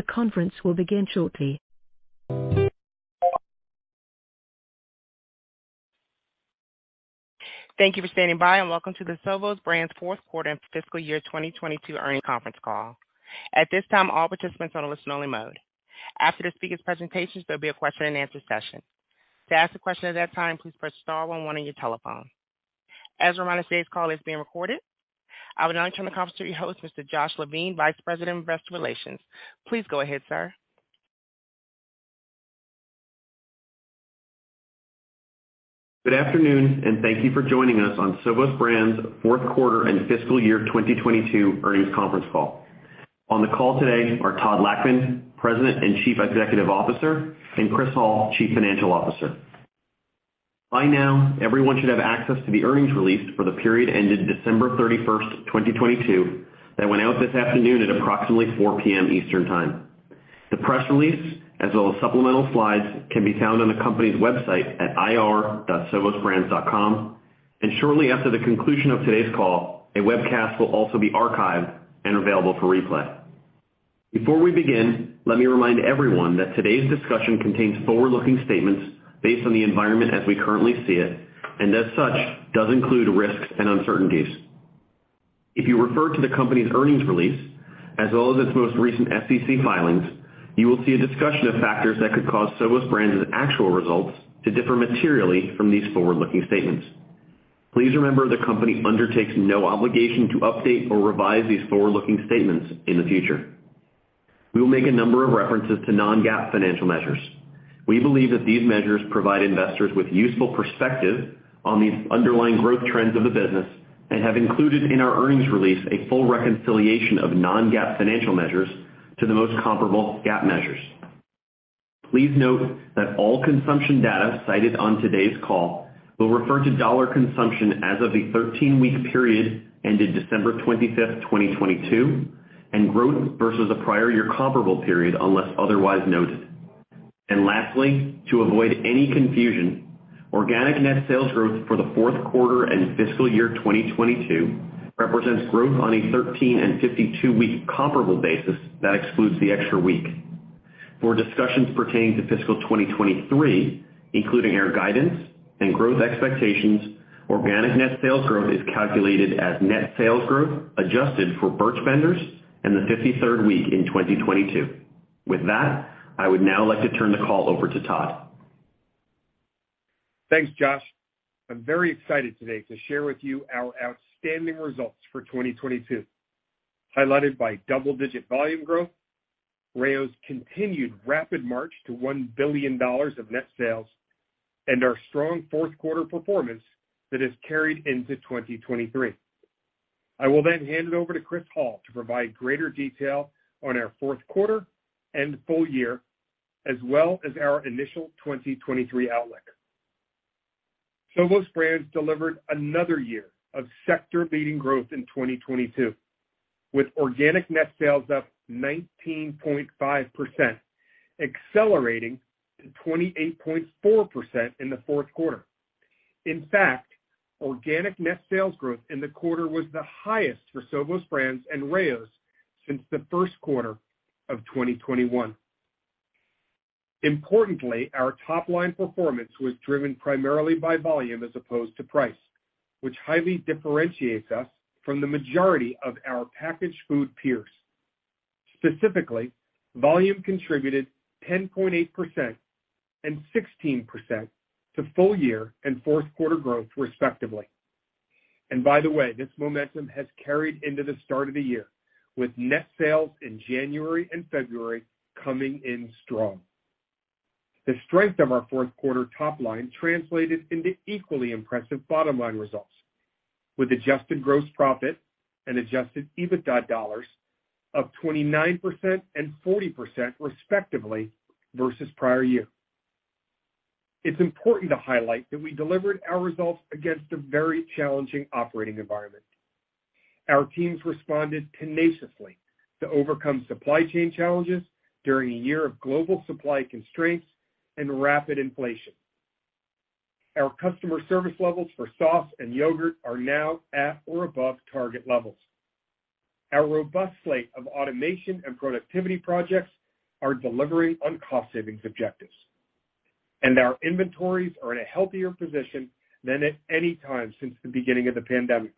Thank you for standing by. Welcome to the Sovos Brands Q4 and fiscal year 2022 earnings conference call. At this time, all participants are on a listen only mode. After the speakers' presentations, there'll be a question and answer session. To ask a question at that time, please press star one one on your telephone. As a reminder, today's call is being recorded. I would now turn the conference to your host, Mr. Josh Levine, Vice President of Investor Relations. Please go ahead, sir. Good afternoon, thank you for joining us on Sovos Brands Q4 and fiscal year 2022 earnings conference call. On the call today are Todd Lachman, President and Chief Executive Officer, and Chris Hall, Chief Financial Officer. By now, everyone should have access to the earnings release for the period ended December 31st, 2022 that went out this afternoon at approximately 4:00 P.M. Eastern Time. The press release, as well as supplemental slides, can be found on the company's website at ir.sovosbrands.com. Shortly after the conclusion of today's call, a webcast will also be archived and available for replay. Before we begin, let me remind everyone that today's discussion contains forward-looking statements based on the environment as we currently see it, and as such, does include risks and uncertainties. If you refer to the company's earnings release, as well as its most recent SEC filings, you will see a discussion of factors that could cause Sovos Brands' actual results to differ materially from these forward-looking statements. Please remember, the company undertakes no obligation to update or revise these forward-looking statements in the future. We will make a number of references to non-GAAP financial measures. We believe that these measures provide investors with useful perspective on the underlying growth trends of the business and have included in our earnings release a full reconciliation of non-GAAP financial measures to the most comparable GAAP measures. Please note that all consumption data cited on today's call will refer to dollar consumption as of the 13-week period ended December 25, 2022, and growth versus the prior year comparable period, unless otherwise noted. Lastly, to avoid any confusion, organic net sales growth for the Q4 and fiscal year 2022 represents growth on a 13- week and 52-week comparable basis that excludes the extra week. For discussions pertaining to fiscal 2023, including our guidance and growth expectations, organic net sales growth is calculated as net sales growth adjusted for Birch Benders and the 53rd week in 2022. With that, I would now like to turn the call over to Todd. Thanks, Josh. I'm very excited today to share with you our outstanding results for 2022, highlighted by double-digit volume growth, Rao's continued rapid march to $1 billion of net sales, and our strong Q4 performance that has carried into 2023. I will then hand it over to Chris Hall to provide greater detail on our Q4 and full year, as well as our initial 2023 outlook. Sovos Brands delivered another year of sector-leading growth in 2022, with organic net sales up 19.5%, accelerating to 28.4% in the Q4. In fact, organic net sales growth in the quarter was the highest for Sovos Brands and Rao's since the Q1 of 2021. Importantly, our top line performance was driven primarily by volume as opposed to price, which highly differentiates us from the majority of our packaged food peers. Specifically, volume contributed 10.8% and 16% to full year and Q4 growth, respectively. By the way, this momentum has carried into the start of the year, with net sales in January and February coming in strong. The strength of our Q4 top line translated into equally impressive bottom line results, with adjusted gross profit and adjusted EBITDA dollars up 29% and 40%, respectively, versus prior year. It's important to highlight that we delivered our results against a very challenging operating environment. Our teams responded tenaciously to overcome supply chain challenges during a year of global supply constraints and rapid inflation. Our customer service levels for sauce and yogurt are now at or above target levels. Our robust slate of automation and productivity projects are delivering on cost savings objectives. Our inventories are in a healthier position than at any time since the beginning of the pandemic.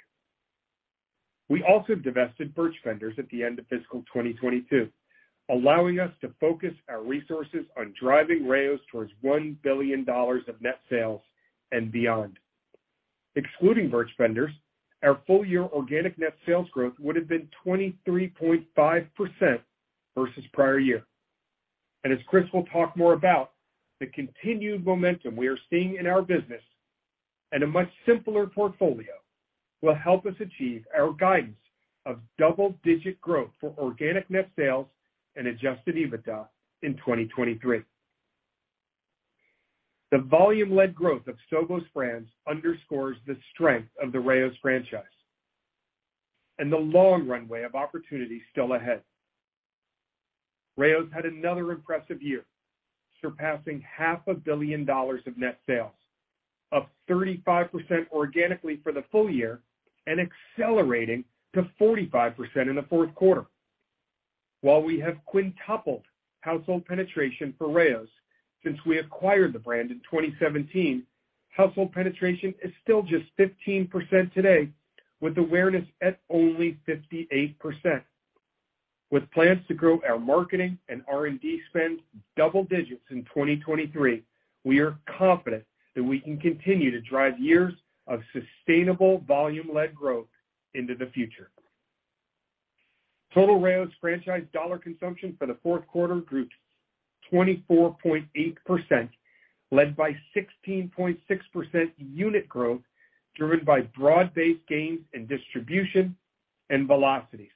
We also divested Birch Benders at the end of fiscal 2022, allowing us to focus our resources on driving Rao's towards $1 billion of net sales and beyond. Excluding Birch Benders, our full year organic net sales growth would have been 23.5% versus prior year. As Chris will talk more about, the continued momentum we are seeing in our business and a much simpler portfolio will help us achieve our guidance of double-digit growth for organic net sales and adjusted EBITDA in 2023. The volume-led growth of Sovos Brands underscores the strength of the Rao's franchise and the long runway of opportunity still ahead. Rao's had another impressive year, surpassing half a billion dollars of net sales. Up 35% organically for the full year and accelerating to 45% in the Q4. While we have quintupled household penetration for Rao's since we acquired the brand in 2017, household penetration is still just 15% today, with awareness at only 58%. With plans to grow our marketing and R&D spend double digits in 2023, we are confident that we can continue to drive years of sustainable volume-led growth into the future. Total Rao's franchise dollar consumption for the Q4 grew 24.8%, led by 16.6% unit growth, driven by broad-based gains in distribution and velocities.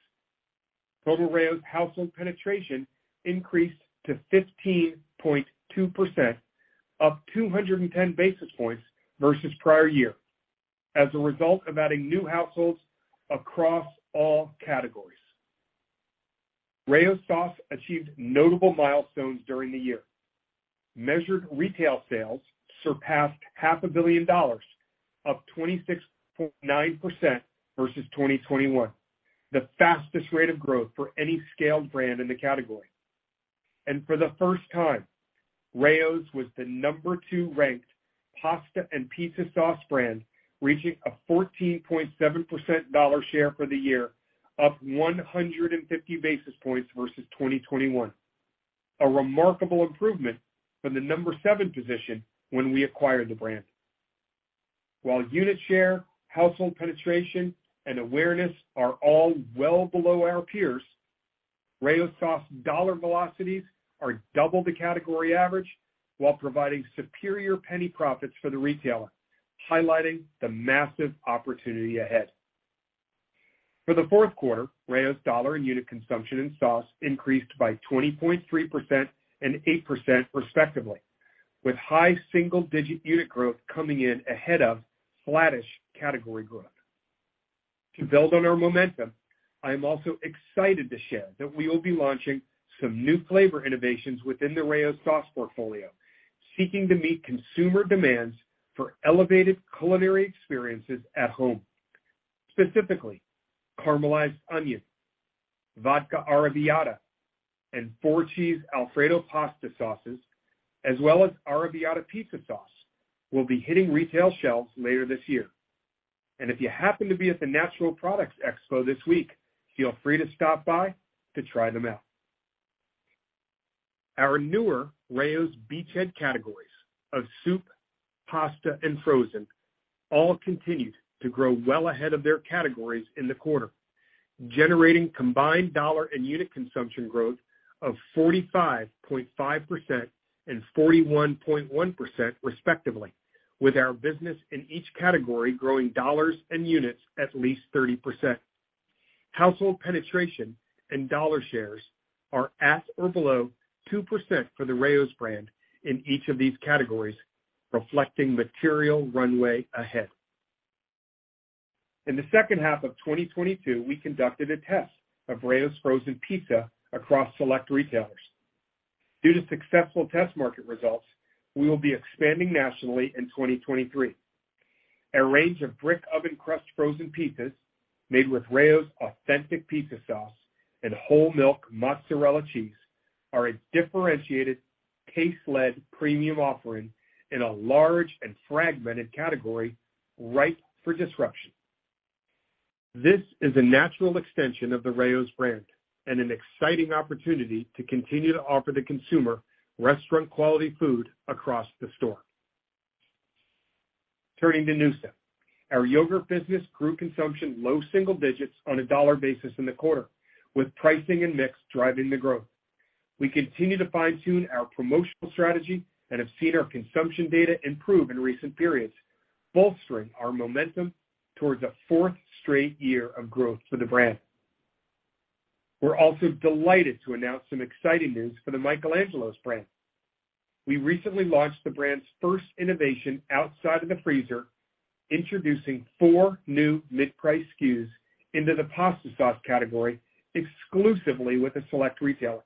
Total Rao's household penetration increased to 15.2%, up 210 basis points versus prior year, as a result of adding new households across all categories. Rao's sauce achieved notable milestones during the year. Measured retail sales surpassed half a billion dollars, up 26.9% versus 2021, the fastest rate of growth for any scaled brand in the category. For the first time, Rao's was the number 2 ranked pasta and pizza sauce brand, reaching a 14.7% dollar share for the year, up 150 basis points versus 2021. A remarkable improvement from the number 7 position when we acquired the brand. While unit share, household penetration, and awareness are all well below our peers, Rao's sauce dollar velocities are double the category average while providing superior penny profits for the retailer, highlighting the massive opportunity ahead. For the Q4, Rao's dollar and unit consumption in sauce increased by 20.3% and 8% respectively, with high single-digit unit growth coming in ahead of flattish category growth. To build on our momentum, I am also excited to share that we will be launching some new flavor innovations within the Rao's sauce portfolio, seeking to meet consumer demands for elevated culinary experiences at home. Specifically, Caramelized Onion, Vodka Arrabbiata, and four cheese Alfredo pasta sauces, as well as Arrabbiata pizza sauce, will be hitting retail shelves later this year. If you happen to be at the Natural Products Expo this week, feel free to stop by to try them out. Our newer Rao's beachhead categories of soup, pasta, and frozen all continued to grow well ahead of their categories in the quarter, generating combined dollar and unit consumption growth of 45.5% and 41.1%, respectively, with our business in each category growing dollars and units at least 30%. Household penetration and dollar shares are at or below 2% for the Rao's brand in each of these categories, reflecting material runway ahead. In the second half of 2022, we conducted a test of Rao's frozen pizza across select retailers. Due to successful test market results, we will be expanding nationally in 2023. A range of brick oven-crust frozen pizzas made with Rao's authentic pizza sauce and whole milk mozzarella cheese are a differentiated case-led premium offering in a large and fragmented category ripe for disruption. This is a natural extension of the Rao's brand and an exciting opportunity to continue to offer the consumer restaurant-quality food across the store. Turning to noosa. Our yogurt business grew consumption low single digits on a dollar basis in the quarter, with pricing and mix driving the growth. We continue to fine-tune our promotional strategy and have seen our consumption data improve in recent periods, bolstering our momentum towards a fourth straight year of growth for the brand. We're also delighted to announce some exciting news for the Michael Angelo's brand. We recently launched the brand's first innovation outside of the freezer, introducing four new mid-price SKUs into the pasta sauce category exclusively with a select retailer.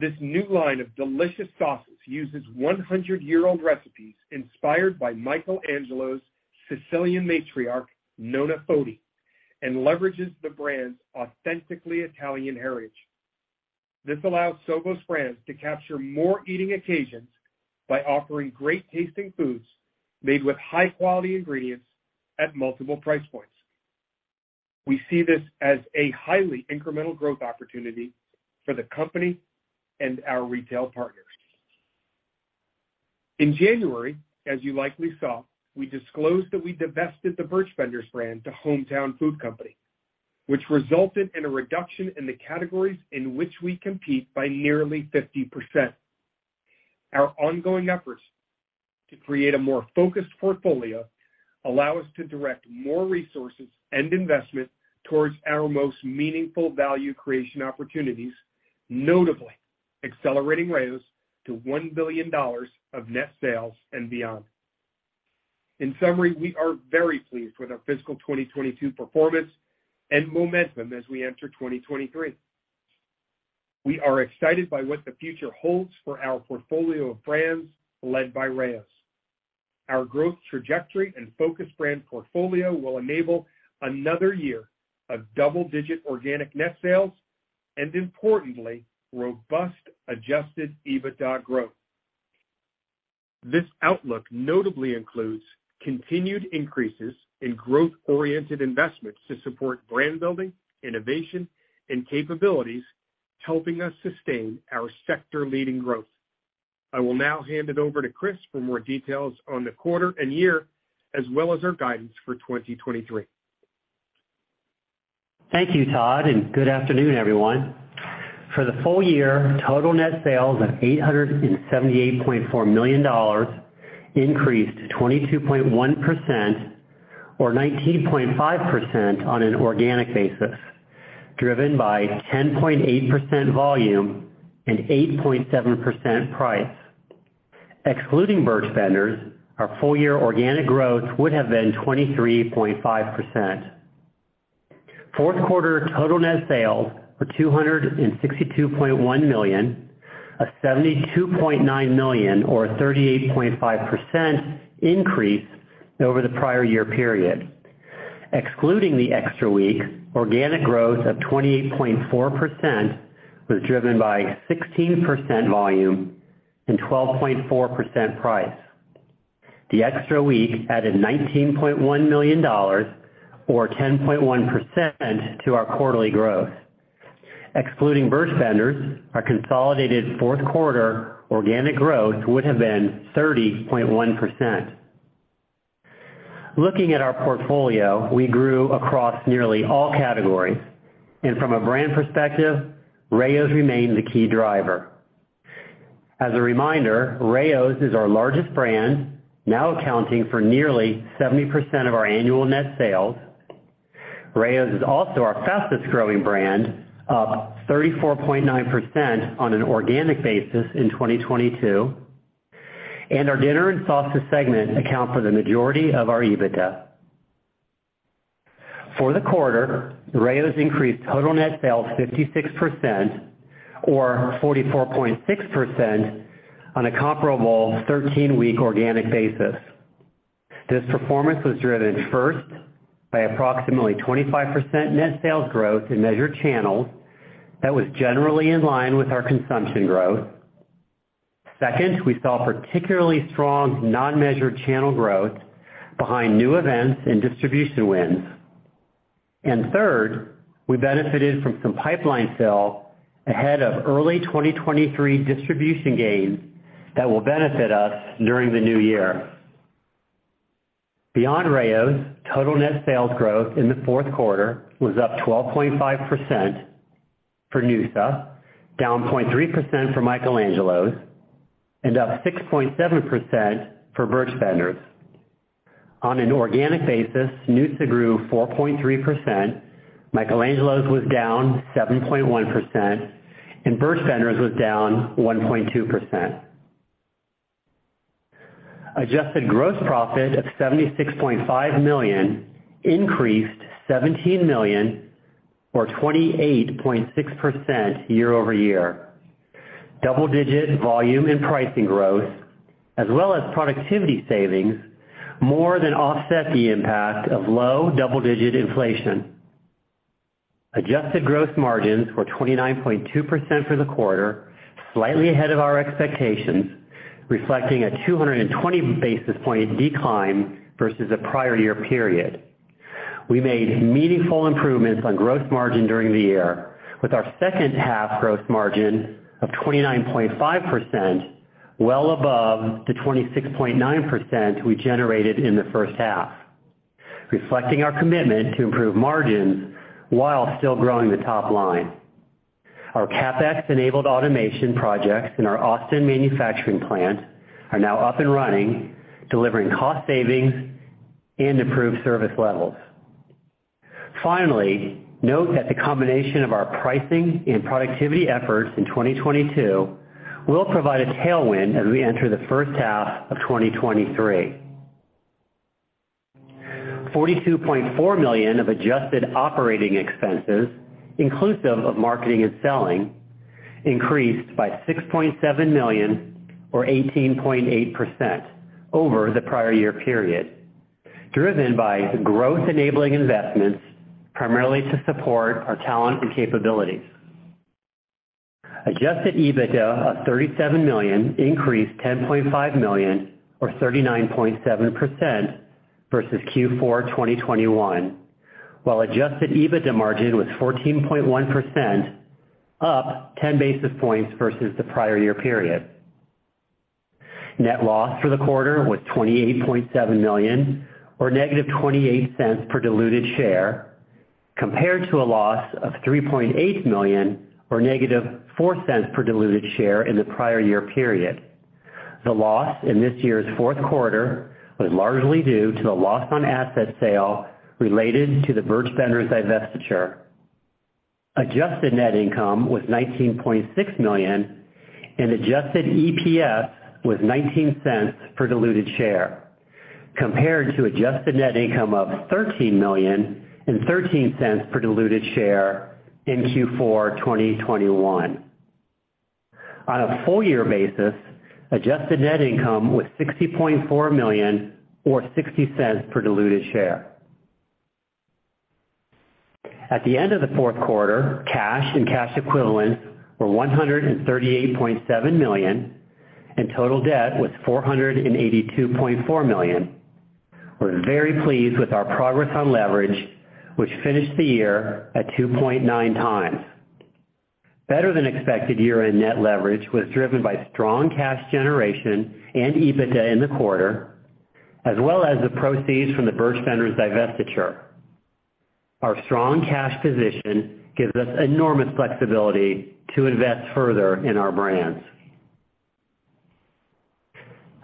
This new line of delicious sauces uses one hundred-year-old recipes inspired by Michael Angelo's, Sicilian matriarch, Nonna Foti, and leverages the brand's authentically Italian heritage. This allows Sovos Brands to capture more eating occasions by offering great-tasting foods made with high-quality ingredients at multiple price points. We see this as a highly incremental growth opportunity for the company and our retail partners. In January, as you likely saw, we disclosed that we divested the Birch Benders brand to Hometown Food Company, which resulted in a reduction in the categories in which we compete by nearly 50%. Our ongoing efforts to create a more focused portfolio allow us to direct more resources and investment towards our most meaningful value creation opportunities, notably accelerating Rao's to $1 billion of net sales and beyond. In summary, we are very pleased with our fiscal 2022 performance and momentum as we enter 2023. We are excited by what the future holds for our portfolio of brands led by Rao's. Our growth trajectory and focused brand portfolio will enable another year of double-digit organic net sales and importantly, robust adjusted EBITDA growth. This outlook notably includes continued increases in growth-oriented investments to support brand building, innovation, and capabilities, helping us sustain our sector-leading growth. I will now hand it over to Chris for more details on the quarter and year, as well as our guidance for 2023. Thank you, Todd, and good afternoon, everyone. For the full year, total net sales of $878.4 million increased 22.1% or 19.5% on an organic basis, driven by 10.8% volume and 8.7% price. Excluding Birch Benders, our full year organic growth would have been 23.5%. Q4 total net sales were $262.1 million, a $72.9 million or 38.5% increase over the prior year period. Excluding the extra week, organic growth of 28.4% was driven by 16% volume and 12.4% price. The extra week added $19.1 million or 10.1% to our quarterly growth. Excluding Birch Benders, our consolidated Q4 organic growth would have been 30.1%. Looking at our portfolio, we grew across nearly all categories. From a brand perspective, Rao's remained the key driver. As a reminder, Rao's is our largest brand, now accounting for nearly 70% of our annual net sales. Rao's is also our fastest-growing brand, up 34.9% on an organic basis in 2022, and our dinner and sauces segment account for the majority of our EBITDA. For the quarter, Rao's increased total net sales 56% or 44.6% on a comparable 13-week organic basis. This performance was driven first by approximately 25% net sales growth in measured channels that was generally in line with our consumption growth. Second, we saw particularly strong non-measured channel growth behind new events and distribution wins. Third, we benefited from some pipeline sales ahead of early 2023 distribution gains that will benefit us during the new year. Beyond Rao's, total net sales growth in the Q4 was up 12.5% for noosa, down 0.3% for Michael Angelo's, and up 6.7% for Birch Benders. On an organic basis, noosa grew 4.3%, Michael Angelo's was down 7.1%, and Birch Benders was down 1.2%. Adjusted gross profit of $76.5 million increased $17 million or 28.6% year-over-year. Double-digit volume and pricing growth, as well as productivity savings, more than offset the impact of low double-digit inflation. Adjusted gross margins were 29.2% for the quarter, slightly ahead of our expectations, reflecting a 220 basis point decline versus the prior year period. We made meaningful improvements on gross margin during the year, with our second half gross margin of 29.5%, well above the 26.9% we generated in the first half, reflecting our commitment to improve margins while still growing the top line. Our CapEx-enabled automation projects in our Austin manufacturing plant are now up and running, delivering cost savings and improved service levels. Finally, note that the combination of our pricing and productivity efforts in 2022 will provide a tailwind as we enter the first half of 2023. $42.4 million of adjusted operating expenses, inclusive of marketing and selling, increased by $6.7 million or 18.8% over the prior year period, driven by growth-enabling investments, primarily to support our talent and capabilities. Adjusted EBITDA of $37 million increased $10.5 million or 39.7% versus Q4 2021. While adjusted EBITDA margin was 14.1%, up 10 basis points versus the prior year period. Net loss for the quarter was $28.7 million or -$0.28 per diluted share, compared to a loss of $3.8 million or -$0.04 per diluted share in the prior year period. The loss in this year's Q4 was largely due to the loss on asset sale related to the Birch Benders divestiture. Adjusted net income was $19.6 million and adjusted EPS was $0.19 per diluted share. Compared to adjusted net income of $13 million and $0.13 per diluted share in Q4 2021. On a full year basis, adjusted net income was $60.4 million or $0.60 per diluted share. At the end of the Q4, cash and cash equivalents were $138.7 million, total debt was $482.4 million. We're very pleased with our progress on leverage, which finished the year at 2.9x. Better than expected year-end net leverage was driven by strong cash generation and EBITDA in the quarter, as well as the proceeds from the Birch Benders divestiture. Our strong cash position gives us enormous flexibility to invest further in our brands.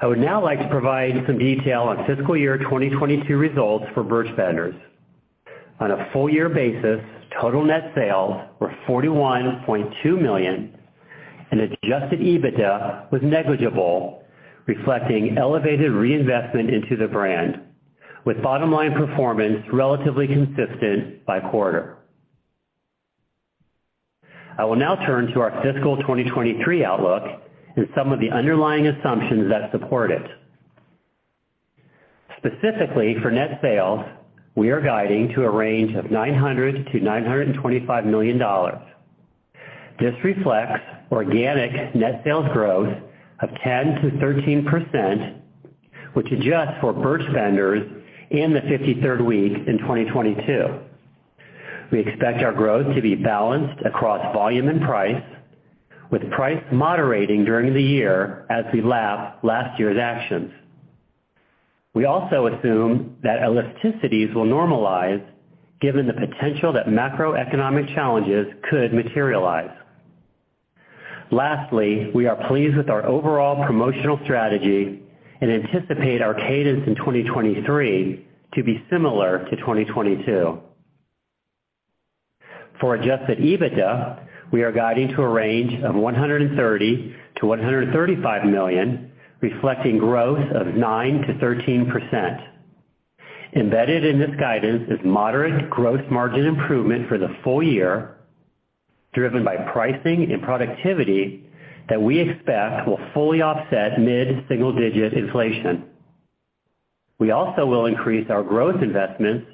I would now like to provide some detail on fiscal year 2022 results for Birch Benders. On a full year basis, total net sales were $41.2 million, adjusted EBITDA was negligible, reflecting elevated reinvestment into the brand, with bottom-line performance relatively consistent by quarter. I will now turn to our fiscal 2023 outlook and some of the underlying assumptions that support it. Specifically for net sales, we are guiding to a range of $900 million-$925 million. This reflects organic net sales growth of 10%-13%, which adjusts for Birch Benders in the 53rd week in 2022. We expect our growth to be balanced across volume and price, with price moderating during the year as we lap last year's actions. We also assume that elasticities will normalize given the potential that macroeconomic challenges could materialize. Lastly, we are pleased with our overall promotional strategy and anticipate our cadence in 2023 to be similar to 2022. For adjusted EBITDA, we are guiding to a range of $130 million-$135 million, reflecting growth of 9%-13%. Embedded in this guidance is moderate gross margin improvement for the full year, driven by pricing and productivity that we expect will fully offset mid-single digit inflation. We also will increase our growth investments,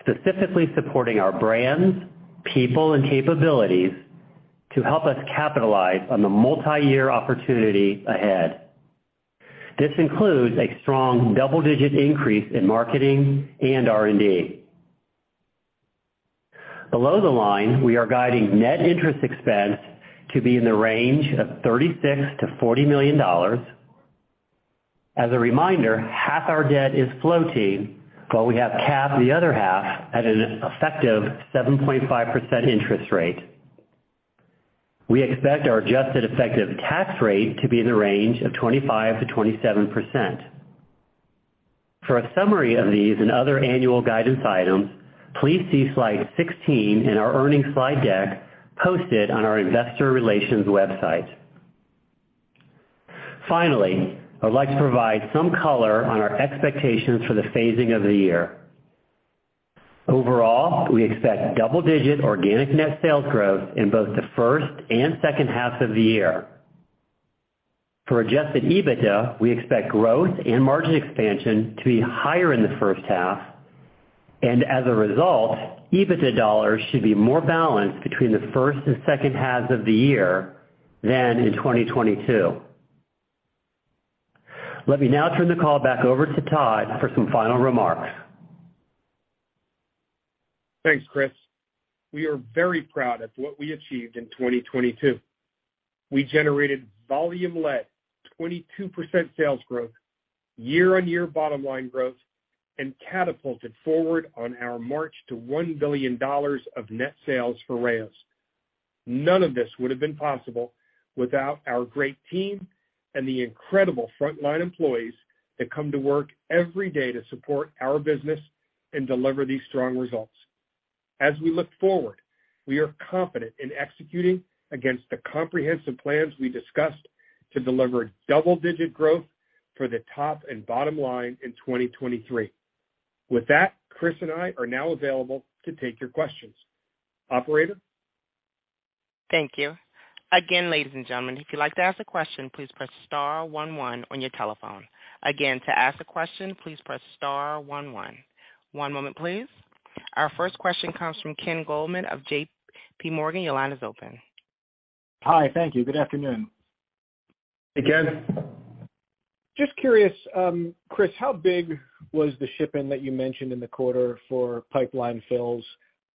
specifically supporting our brands, people, and capabilities to help us capitalize on the multi-year opportunity ahead. This includes a strong double-digit increase in marketing and R&D. Below the line, we are guiding net interest expense to be in the range of $36 million-$40 million. As a reminder, half our debt is floating, while we have capped the other half at an effective 7.5% interest rate. We expect our adjusted effective tax rate to be in the range of 25%-27%. For a summary of these and other annual guidance items, please see slide 16 in our earnings slide deck posted on our investor relations website. Finally, I'd like to provide some color on our expectations for the phasing of the year. Overall, we expect double-digit organic net sales growth in both the first and second half of the year. For adjusted EBITDA, we expect growth and margin expansion to be higher in the first half. As a result, EBITDA dollars should be more balanced between the first and second halves of the year than in 2022. Let me now turn the call back over to Todd for some final remarks. Thanks, Chris. We are very proud of what we achieved in 2022. We generated volume-led 22% sales growth, year-on-year bottom line growth, and catapulted forward on our march to $1 billion of net sales for Rao's. None of this would have been possible without our great team and the incredible frontline employees that come to work every day to support our business and deliver these strong results. As we look forward, we are confident in executing against the comprehensive plans we discussed to deliver double-digit growth for the top and bottom line in 2023. With that, Chris and I are now available to take your questions. Operator? Thank you. Again, ladies and gentlemen, if you'd like to ask a question, please press star one one on your telephone. Again, to ask a question, please press star one one. One moment, please. Our first question comes from Ken Goldman of JPMorgan. Your line is open. Hi. Thank you. Good afternoon. Hey, Ken. Just curious, Chris, how big was the ship in that you mentioned in the quarter for pipeline fills,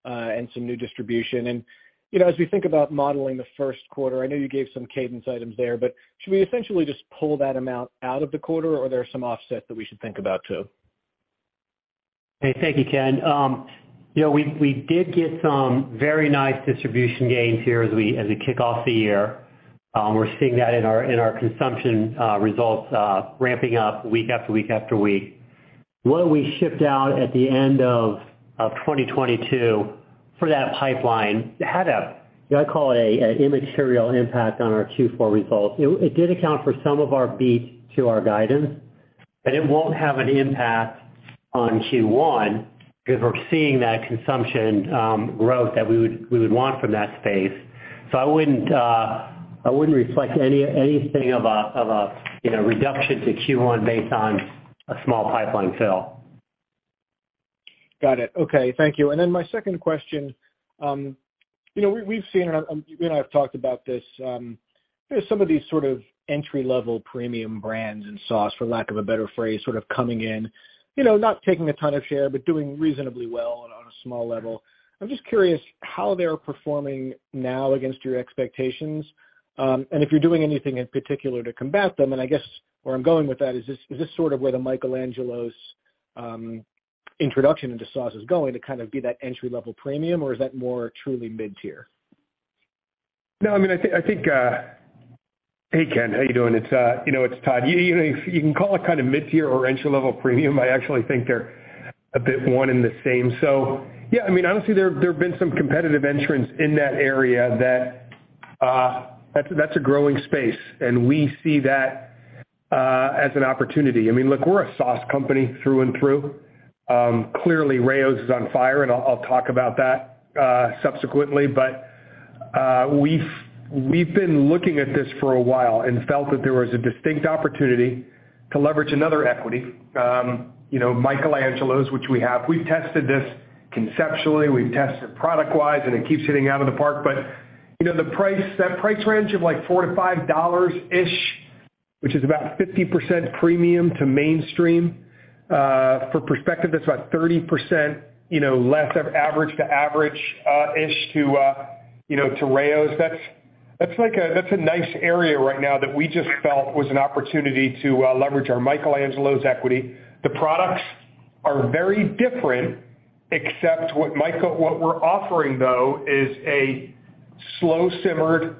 and some new distribution? You know, as we think about modeling the Q1, I know you gave some cadence items there, but should we essentially just pull that amount out of the quarter or are there some offsets that we should think about too? Hey, thank you, Ken. you know, we did get some very nice distribution gains here as we, as we kick off the year. We're seeing that in our consumption results ramping up week after week after week. What we shipped out at the end of 2022. For that pipeline to have, do I call it an immaterial impact on our Q4 results. It did account for some of our beat to our guidance, but it won't have an impact on Q1 because we're seeing that consumption growth that we would want from that space. I wouldn't reflect anything of a, you know, reduction to Q1 based on a small pipeline fill. Got it. Okay. Thank you. Then my second question, you know, we've seen, and you and I have talked about this. You know, some of these sort of entry-level premium brands in sauce, for lack of a better phrase, sort of coming in. You know, not taking a ton of share, but doing reasonably well on a small level. I'm just curious how they're performing now against your expectations, and if you're doing anything in particular to combat them. I guess where I'm going with that, is this, is this sort of where the Michael Angelo's introduction into sauce is going to kind of be that entry-level premium, or is that more truly mid-tier? No, I mean, I think. Hey, Ken, how you doing? It's, you know, Todd. You, you know, you can call it kind of mid-tier or entry-level premium. I actually think they're a bit one and the same. Yeah, I mean, honestly, there have been some competitive entrants in that area that's a growing space, and we see that as an opportunity. I mean, look, we're a sauce company through and through. Clearly, Rao's is on fire, and I'll talk about that subsequently. We've been looking at this for a while and felt that there was a distinct opportunity to leverage another equity. You know, Michael Angelo's, which we have. We've tested this conceptually, we've tested product-wise, and it keeps hitting out of the park. You know, the price, that price range of like $4-$5-ish, which is about 50% premium to mainstream, for perspective, that's about 30%, you know, less of average to average-ish to, you know, to Rao's. That's a nice area right now that we just felt was an opportunity to leverage our Michael Angelo's equity. The products are very different, except what we're offering though is a slow-simmered,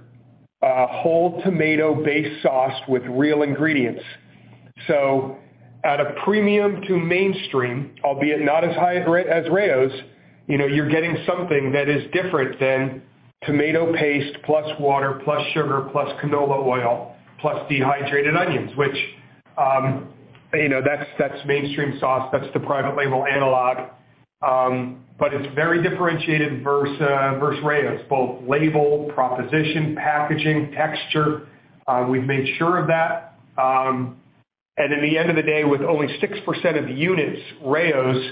whole tomato-based sauce with real ingredients. At a premium to mainstream, albeit not as high as Rao's, you know, you're getting something that is different than tomato paste plus water, plus sugar, plus canola oil, plus dehydrated onions, which, you know, that's mainstream sauce. That's the private label analog. It's very differentiated versus Rao's, both label, proposition, packaging, texture. We've made sure of that. In the end of the day, with only 6% of the units, Rao's,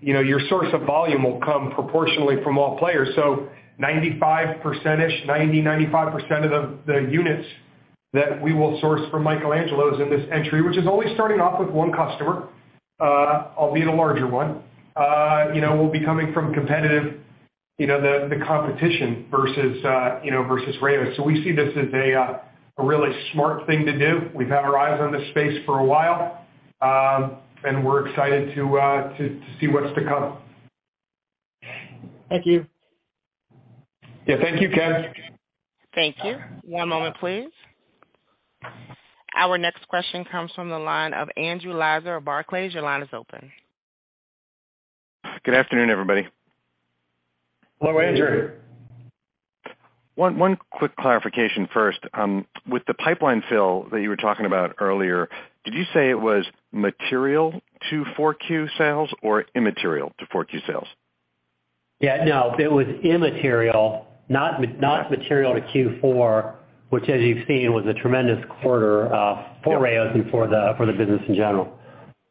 you know, your source of volume will come proportionally from all players. 95%-ish, 90%, 95% of the units that we will source from Michael Angelo's in this entry, which is only starting off with one customer, albeit a larger one, you know, will be coming from competitive, you know, the competition versus, you know, versus Rao's. We see this as a really smart thing to do. We've had our eyes on this space for a while. We're excited to see what's to come. Thank you. Yeah. Thank you, Ken. Thank you. One moment, please. Our next question comes from the line of Andrew Lazar of Barclays. Your line is open. Good afternoon, everybody. Hello, Andrew. One quick clarification first. With the pipeline fill that you were talking about earlier, did you say it was material to 4Q sales or immaterial to 4Q sales? Yeah, no, it was immaterial, not material to Q4, which as you've seen, was a tremendous quarter. Yeah -for Rao's and for the business in general.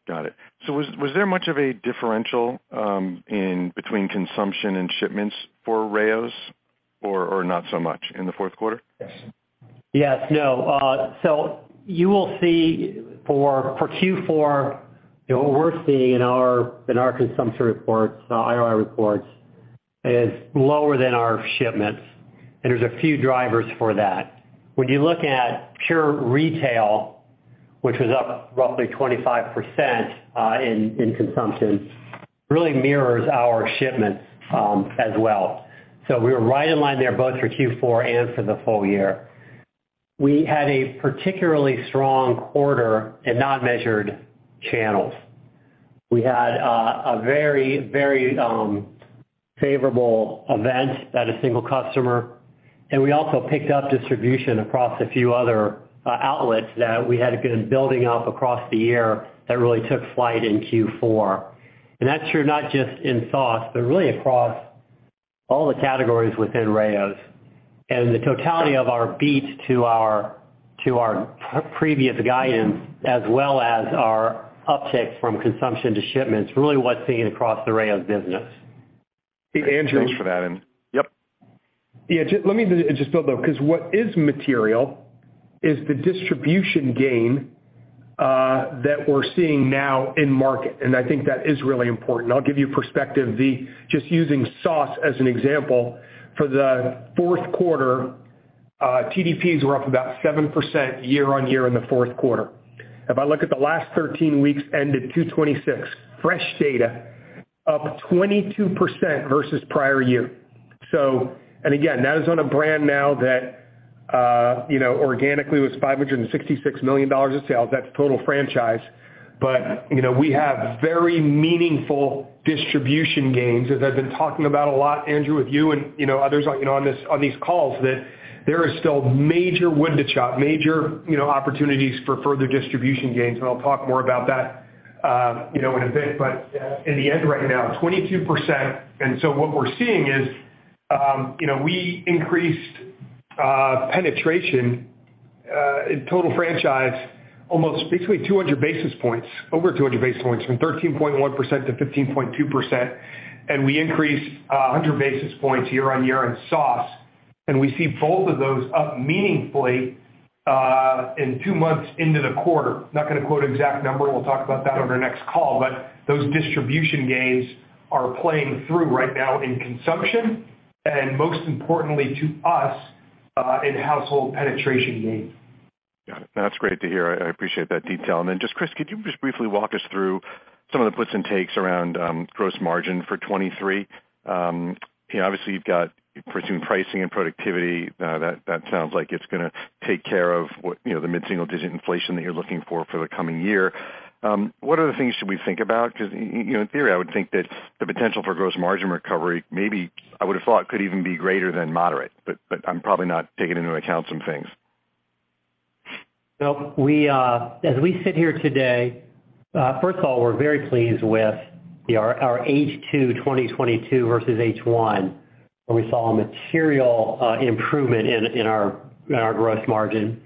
Got it. Was there much of a differential in between consumption and shipments for Rao's or not so much in the Q4? Yes. No. So you will see for Q4, you know, what we're seeing in our, in our consumption reports, our IRI reports is lower than our shipments. There's a few drivers for that. When you look at pure retail, which was up roughly 25%, in consumption, really mirrors our shipments as well. We were right in line there both for Q4 and for the full year. We had a particularly strong quarter in not measured channels. We had a very, very favorable event at a single customer, and we also picked up distribution across a few other outlets that we had been building up across the year that really took flight in Q4. That's true not just in sauce, but really across all the categories within Rao's. The totality of our beat to our previous guidance, as well as our upticks from consumption to shipments, really what's seen across the Rao's business. Hey, Andrew. Thanks for that. Yep. Yeah, just let me just build though, 'cause what is material is the distribution gain, that we're seeing now in market, and I think that is really important. I'll give you perspective. Just using sauce as an example, for the Q4, TDPs were up about 7% year-on-year in the Q4. If I look at the last 13 weeks ended 2/26, fresh data, up 22% versus prior year. again, that is on a brand now that- You know, organically was $566 million of sales. That's total franchise. You know, we have very meaningful distribution gains, as I've been talking about a lot, Andrew Lazar, with you and, you know, others, like, you know, on these calls, that there is still major wood to chop, major, you know, opportunities for further distribution gains. I'll talk more about that, you know, in a bit. In the end, right now, 22%. What we're seeing is, you know, we increased penetration in total franchise almost between 200 basis points, over 200 basis points, from 13.1% to 15.2%, and we increased 100 basis points year-over-year in sauce. We see both of those up meaningfully in two months into the quarter. Not gonna quote an exact number, we'll talk about that on our next call. Those distribution gains are playing through right now in consumption and most importantly to us, in household penetration gains. Got it. That's great to hear. I appreciate that detail. Chris, could you just briefly walk us through some of the puts and takes around gross margin for 2023? You know, obviously you've got pricing and productivity. That sounds like it's gonna take care of what, you know, the mid-single digit inflation that you're looking for for the coming year. What other things should we think about? Cause you know, in theory, I would think that the potential for gross margin recovery, maybe I would've thought could even be greater than moderate, but I'm probably not taking into account some things. We, as we sit here today, first of all, we're very pleased with our H2 2022 versus H1, where we saw a material improvement in our gross margin.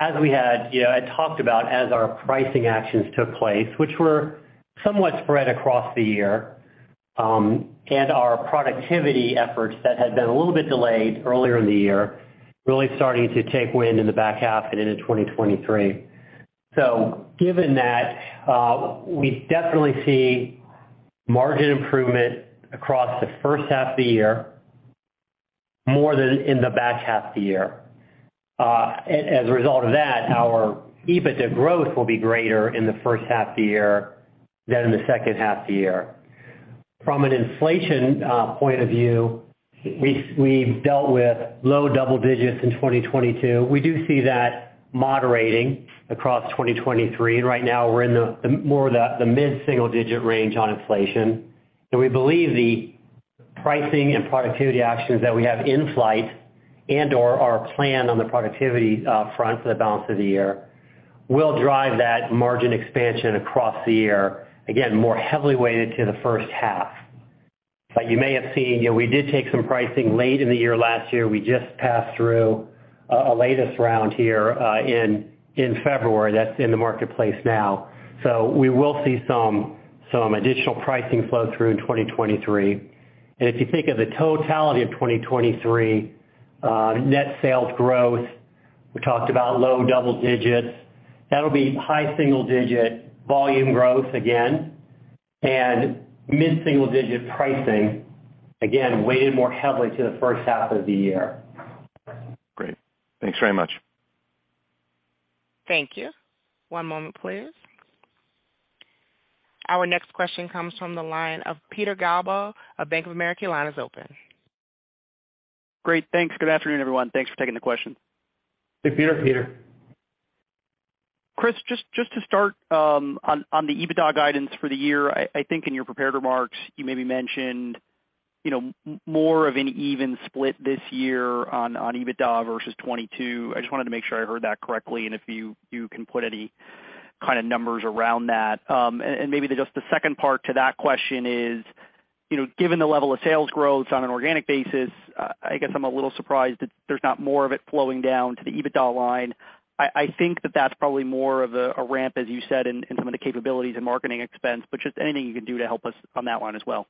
As we had, you know, I talked about as our pricing actions took place, which were somewhat spread across the year, and our productivity efforts that had been a little bit delayed earlier in the year, really starting to take wind in the back half and into 2023. Given that, we definitely see margin improvement across the first half of the year more than in the back half of the year. As a result of that, our EBITDA growth will be greater in the first half of the year than in the second half of the year. From an inflation point of view, we've dealt with low double digits in 2022. We do see that moderating across 2023. Right now we're in the mid-single digit range on inflation. We believe the pricing and productivity actions that we have in flight and/or our plan on the productivity front for the balance of the year will drive that margin expansion across the year, again, more heavily weighted to the first half. You may have seen, you know, we did take some pricing late in the year last year. We just passed through a latest round here in February. That's in the marketplace now. We will see some additional pricing flow through in 2023. If you think of the totality of 2023, net sales growth, we talked about low double-digits. That'll be high single-digit volume growth again and mid-single-digit pricing, again, weighted more heavily to the first half of the year. Great. Thanks very much. Thank you. One moment, please. Our next question comes from the line of Peter Galbo of Bank of America. Line is open. Great, thanks. Good afternoon, everyone. Thanks for taking the question. Hey, Peter. Chris, just to start, on the EBITDA guidance for the year. I think in your prepared remarks you maybe mentioned, you know, more of an even split this year on EBITDA versus 2022. I just wanted to make sure I heard that correctly and if you can put any kind of numbers around that. Maybe just the second part to that question is, you know, given the level of sales growth on an organic basis, I guess I'm a little surprised that there's not more of it flowing down to the EBITDA line. I think that that's probably more of a ramp, as you said, in some of the capabilities and marketing expense, but just anything you can do to help us on that line as well.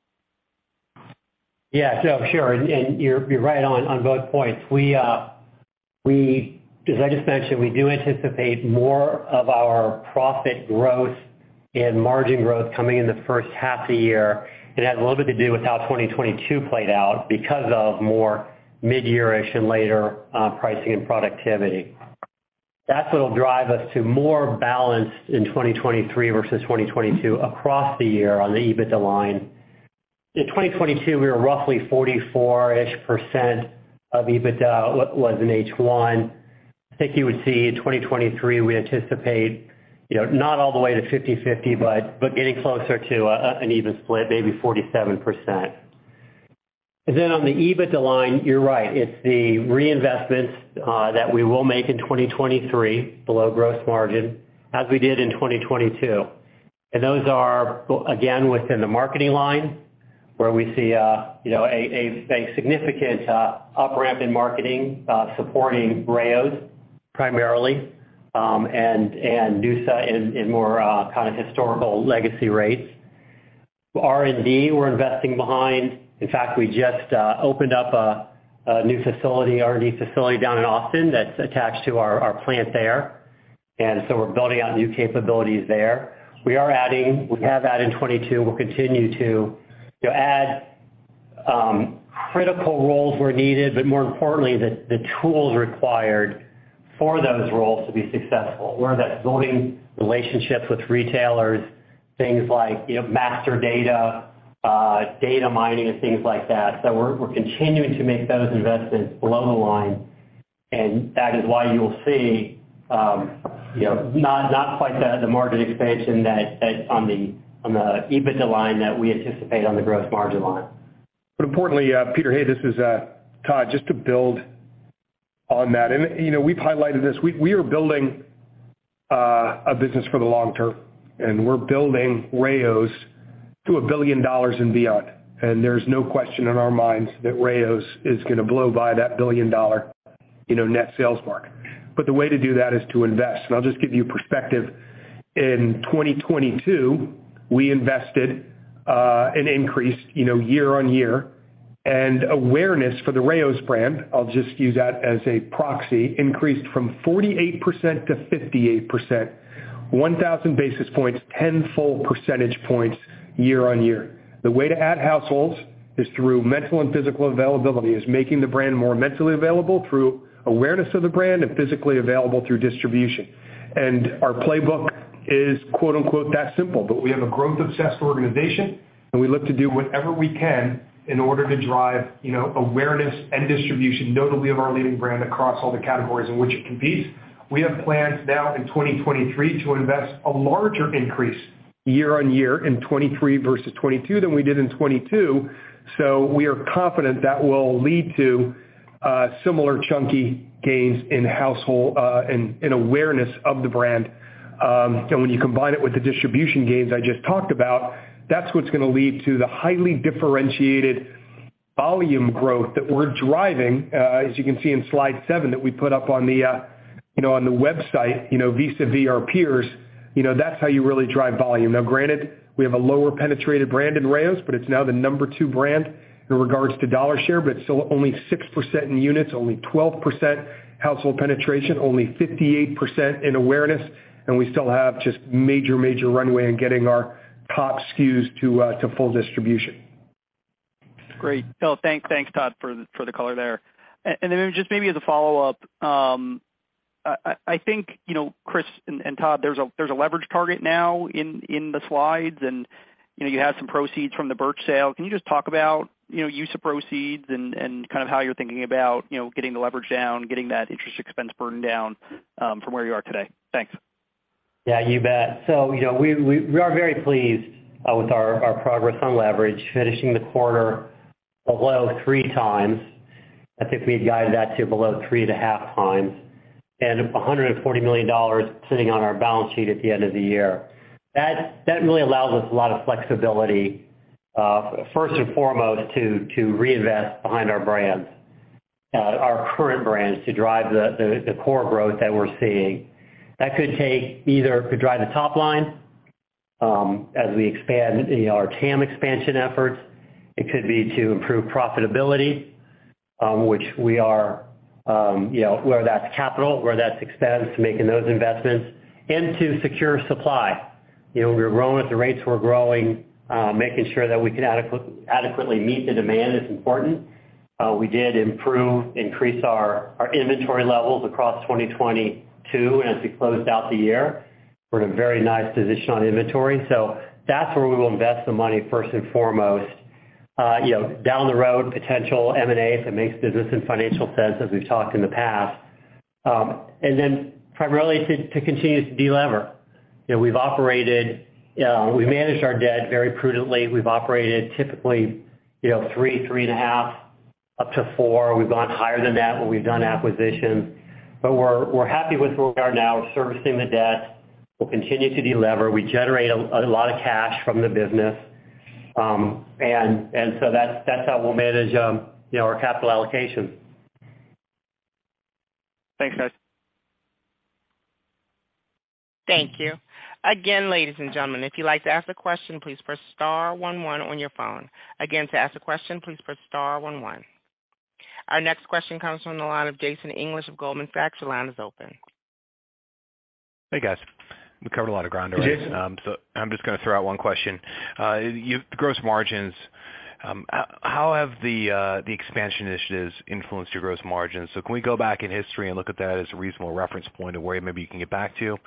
Yeah. No, sure. You're right on both points. As I just mentioned, we do anticipate more of our profit growth and margin growth coming in the first half of the year. It had a little bit to do with how 2022 played out because of more mid-year-ish and later pricing and productivity. That's what'll drive us to more balance in 2023 versus 2022 across the year on the EBITDA line. In 2022, we were roughly 44-ish% of EBITDA was in H1. I think you would see in 2023, we anticipate, you know, not all the way to 50/50, but getting closer to an even split, maybe 47%. On the EBITDA line, you're right. It's the reinvestments that we will make in 2023, the low gross margin, as we did in 2022. Those are, again, within the marketing line, where we see, you know, a significant up ramp in marketing, supporting Rao's primarily, and noosa in more, kind of historical legacy rates. R&D we're investing behind. In fact, we just opened up a new facility, R&D facility down in Austin that's attached to our plant there. We're building out new capabilities there. We are adding, we have added in 2022, we'll continue to add critical roles where needed, but more importantly, the tools required for those roles to be successful, whether that's building relationships with retailers, things like, you know, master data mining and things like that. We're continuing to make those investments below the line, and that is why you'll see, you know, not quite the margin expansion that on the EBITDA line that we anticipate on the gross margin line. Importantly, Peter, hey, this is Todd. Just to build on that, you know, we've highlighted this. We are building a business for the long term, and we're building Rao's to $1 billion and beyond. There's no question in our minds that Rao's is gonna blow by that $1 billion, you know, net sales mark. The way to do that is to invest. I'll just give you perspective. In 2022, we invested and increased, you know, year-on-year. Awareness for the Rao's brand, I'll just use that as a proxy, increased from 48% to 58%, 1,000 basis points, 10 full percentage points year-on-year. The way to add households is through mental and physical availability. It's making the brand more mentally available through awareness of the brand and physically available through distribution. Our playbook is quote, unquote, "That simple." We have a growth-obsessed organization, and we look to do whatever we can in order to drive, you know, awareness and distribution, notably of our leading brand across all the categories in which it competes. We have plans now in 2023 to invest a larger increase year-on-year in 2023 versus 2022 than we did in 2022. We are confident that will lead to similar chunky gains in household, in awareness of the brand. When you combine it with the distribution gains I just talked about, that's what's gonna lead to the highly differentiated volume growth that we're driving, as you can see in slide 7 that we put up on the, you know, on the website, you know, vis-a-vis our peers. You know, that's how you really drive volume. Granted, we have a lower penetrated brand in Rao's. It's now the number two brand in regards to dollar share. It's still only 6% in units, only 12% household penetration, only 58% in awareness. We still have just major runway in getting our top SKUs to full distribution. Great. Thanks, Todd, for the color there. Then just maybe as a follow-up, I think, you know, Chris and Todd, there's a leverage target now in the slides and, you know, you had some proceeds from the Birch sale. Can you just talk about, you know, use of proceeds and kind of how you're thinking about, you know, getting the leverage down, getting that interest expense burden down from where you are today? Thanks. Yeah, you bet. You know, we are very pleased with our progress on leverage, finishing the quarter below 3x. I think we had guided that to below 3.5x and $140 million sitting on our balance sheet at the end of the year. That really allows us a lot of flexibility, first and foremost, to reinvest behind our brands, our current brands, to drive the core growth that we're seeing. That could take either to drive the top line, as we expand our TAM expansion efforts. It could be to improve profitability, which we are, you know, whether that's capital, whether that's expense, making those investments, and to secure supply. You know, we're growing at the rates we're growing, making sure that we can adequately meet the demand is important. We did improve, increase our inventory levels across 2022. As we closed out the year, we're in a very nice position on inventory. That's where we will invest the money first and foremost. You know, down the road, potential M&A, if it makes business and financial sense, as we've talked in the past. Primarily to continue to delever. You know, we've operated, we've managed our debt very prudently. We've operated typically, you know, 3, 3.5, up to 4. We've gone higher than that when we've done acquisitions. We're happy with where we are now. We're servicing the debt. We'll continue to delever. We generate a lot of cash from the business. That's how we'll manage, you know, our capital allocation. Thanks, guys. Thank you. Again, ladies and gentlemen, if you'd like to ask a question, please press star one one on your phone. To ask a question, please press star one one. Our next question comes from the line of Jason English of Goldman Sachs. Your line is open. Hey, guys. We covered a lot of ground already. Jason. I'm just gonna throw out one question. Gross margins, how have the expansion initiatives influenced your gross margins? Can we go back in history and look at that as a reasonable reference point of where maybe you can get back to?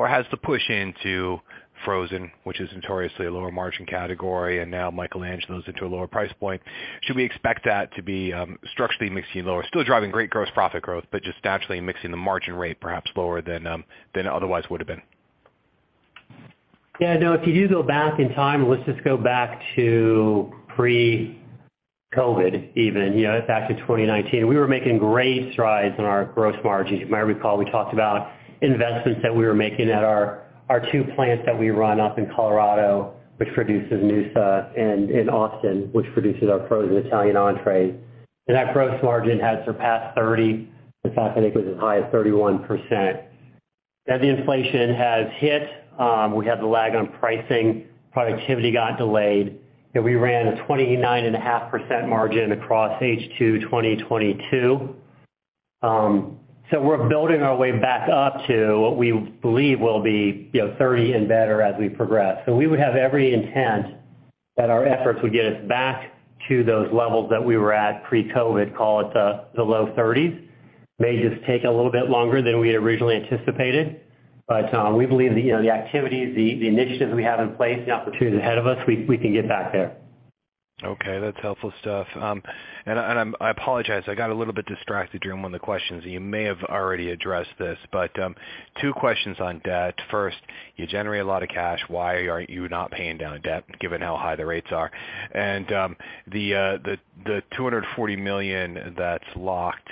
Has the push into frozen, which is notoriously a lower margin category, and now Michael Angelo's into a lower price point, should we expect that to be structurally mixing lower? Still driving great gross profit growth, but just naturally mixing the margin rate perhaps lower than it otherwise would have been. Yeah, no, if you do go back in time, let's just go back to pre-COVID even, you know, back to 2019. We were making great strides in our gross margins. You might recall we talked about investments that we were making at our two plants that we run up in Colorado, which produces noosa, and in Austin, which produces our frozen Italian entrees. That gross margin had surpassed 30. In fact, I think it was as high as 31%. As the inflation has hit, we had the lag on pricing, productivity got delayed, we ran a 29.5% margin across H2 2022. We're building our way back up to what we believe will be, you know, 30 and better as we progress. We would have every intentThat our efforts would get us back to those levels that we were at pre-COVID, call it, the low thirties. May just take a little bit longer than we had originally anticipated. We believe the, you know, the activities, the initiatives we have in place, the opportunities ahead of us, we can get back there. Okay, that's helpful stuff. I apologize, I got a little bit distracted during one of the questions, and you may have already addressed this, but two questions on debt. First, you generate a lot of cash. Why are you not paying down debt, given how high the rates are? The $240 million that's locked,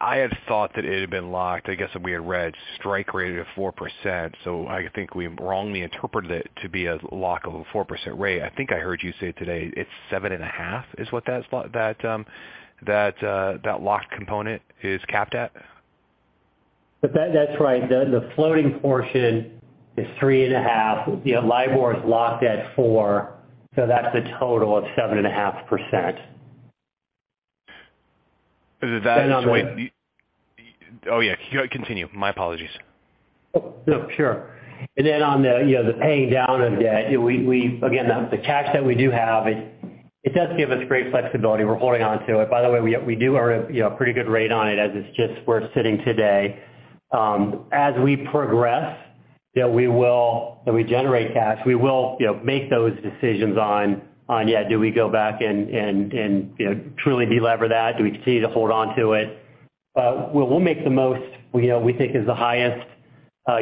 I had thought that it had been locked. I guess we had read strike rate of 4%, so I think we wrongly interpreted it to be a lock of a 4% rate. I think I heard you say today it's 7.5, is what that's that locked component is capped at? That, that's right. The, the floating portion is 3.5. You know, LIBOR is locked at 4, so that's a total of 7.5%. Is that- And then on- Oh, yeah. Go, continue. My apologies. No, sure. Then on the, you know, the paying down of debt, we again, the cash that we do have, it does give us great flexibility. We're holding onto it. By the way, we do earn, you know, a pretty good rate on it as we're sitting today. As we progress, as we generate cash, we will, you know, make those decisions on, do we go back and, you know, truly delever that? Do we continue to hold on to it? We'll make the most, you know, we think is the highest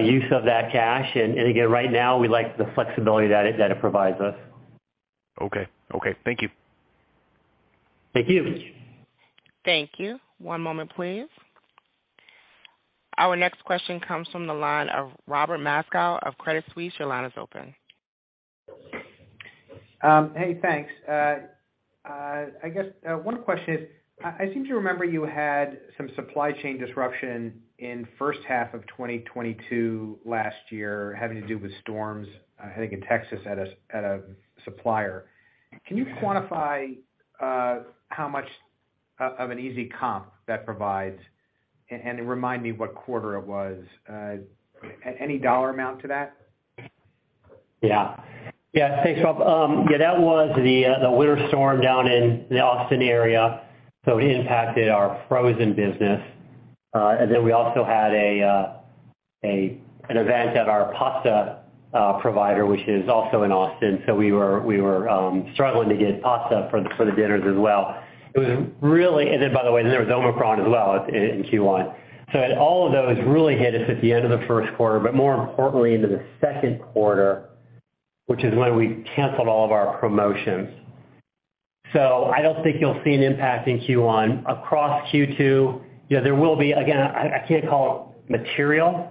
use of that cash. Again, right now we like the flexibility that it provides us. Okay. Okay. Thank you. Thank you. Thank you. One moment, please. Our next question comes from the line of Robert Moskow of Credit Suisse. Your line is open. Hey, thanks. I guess, one question is, I seem to remember you had some supply chain disruption in first half of 2022 last year having to do with storms, I think in Texas at a supplier. Can you quantify how much of an easy comp that provides? Remind me what quarter it was? Any dollar amount to that? Yeah. Thanks, Rob. That was the winter storm down in the Austin area. It impacted our frozen business. We also had an event at our pasta provider, which is also in Austin. We were struggling to get pasta for the dinners as well. There was Omicron as well in Q1. All of those really hit us at the end of the Q1, but more importantly into the Q2, which is when we canceled all of our promotions. I don't think you'll see an impact in Q1. Across Q2, you know, there will be, again, I can't call it material.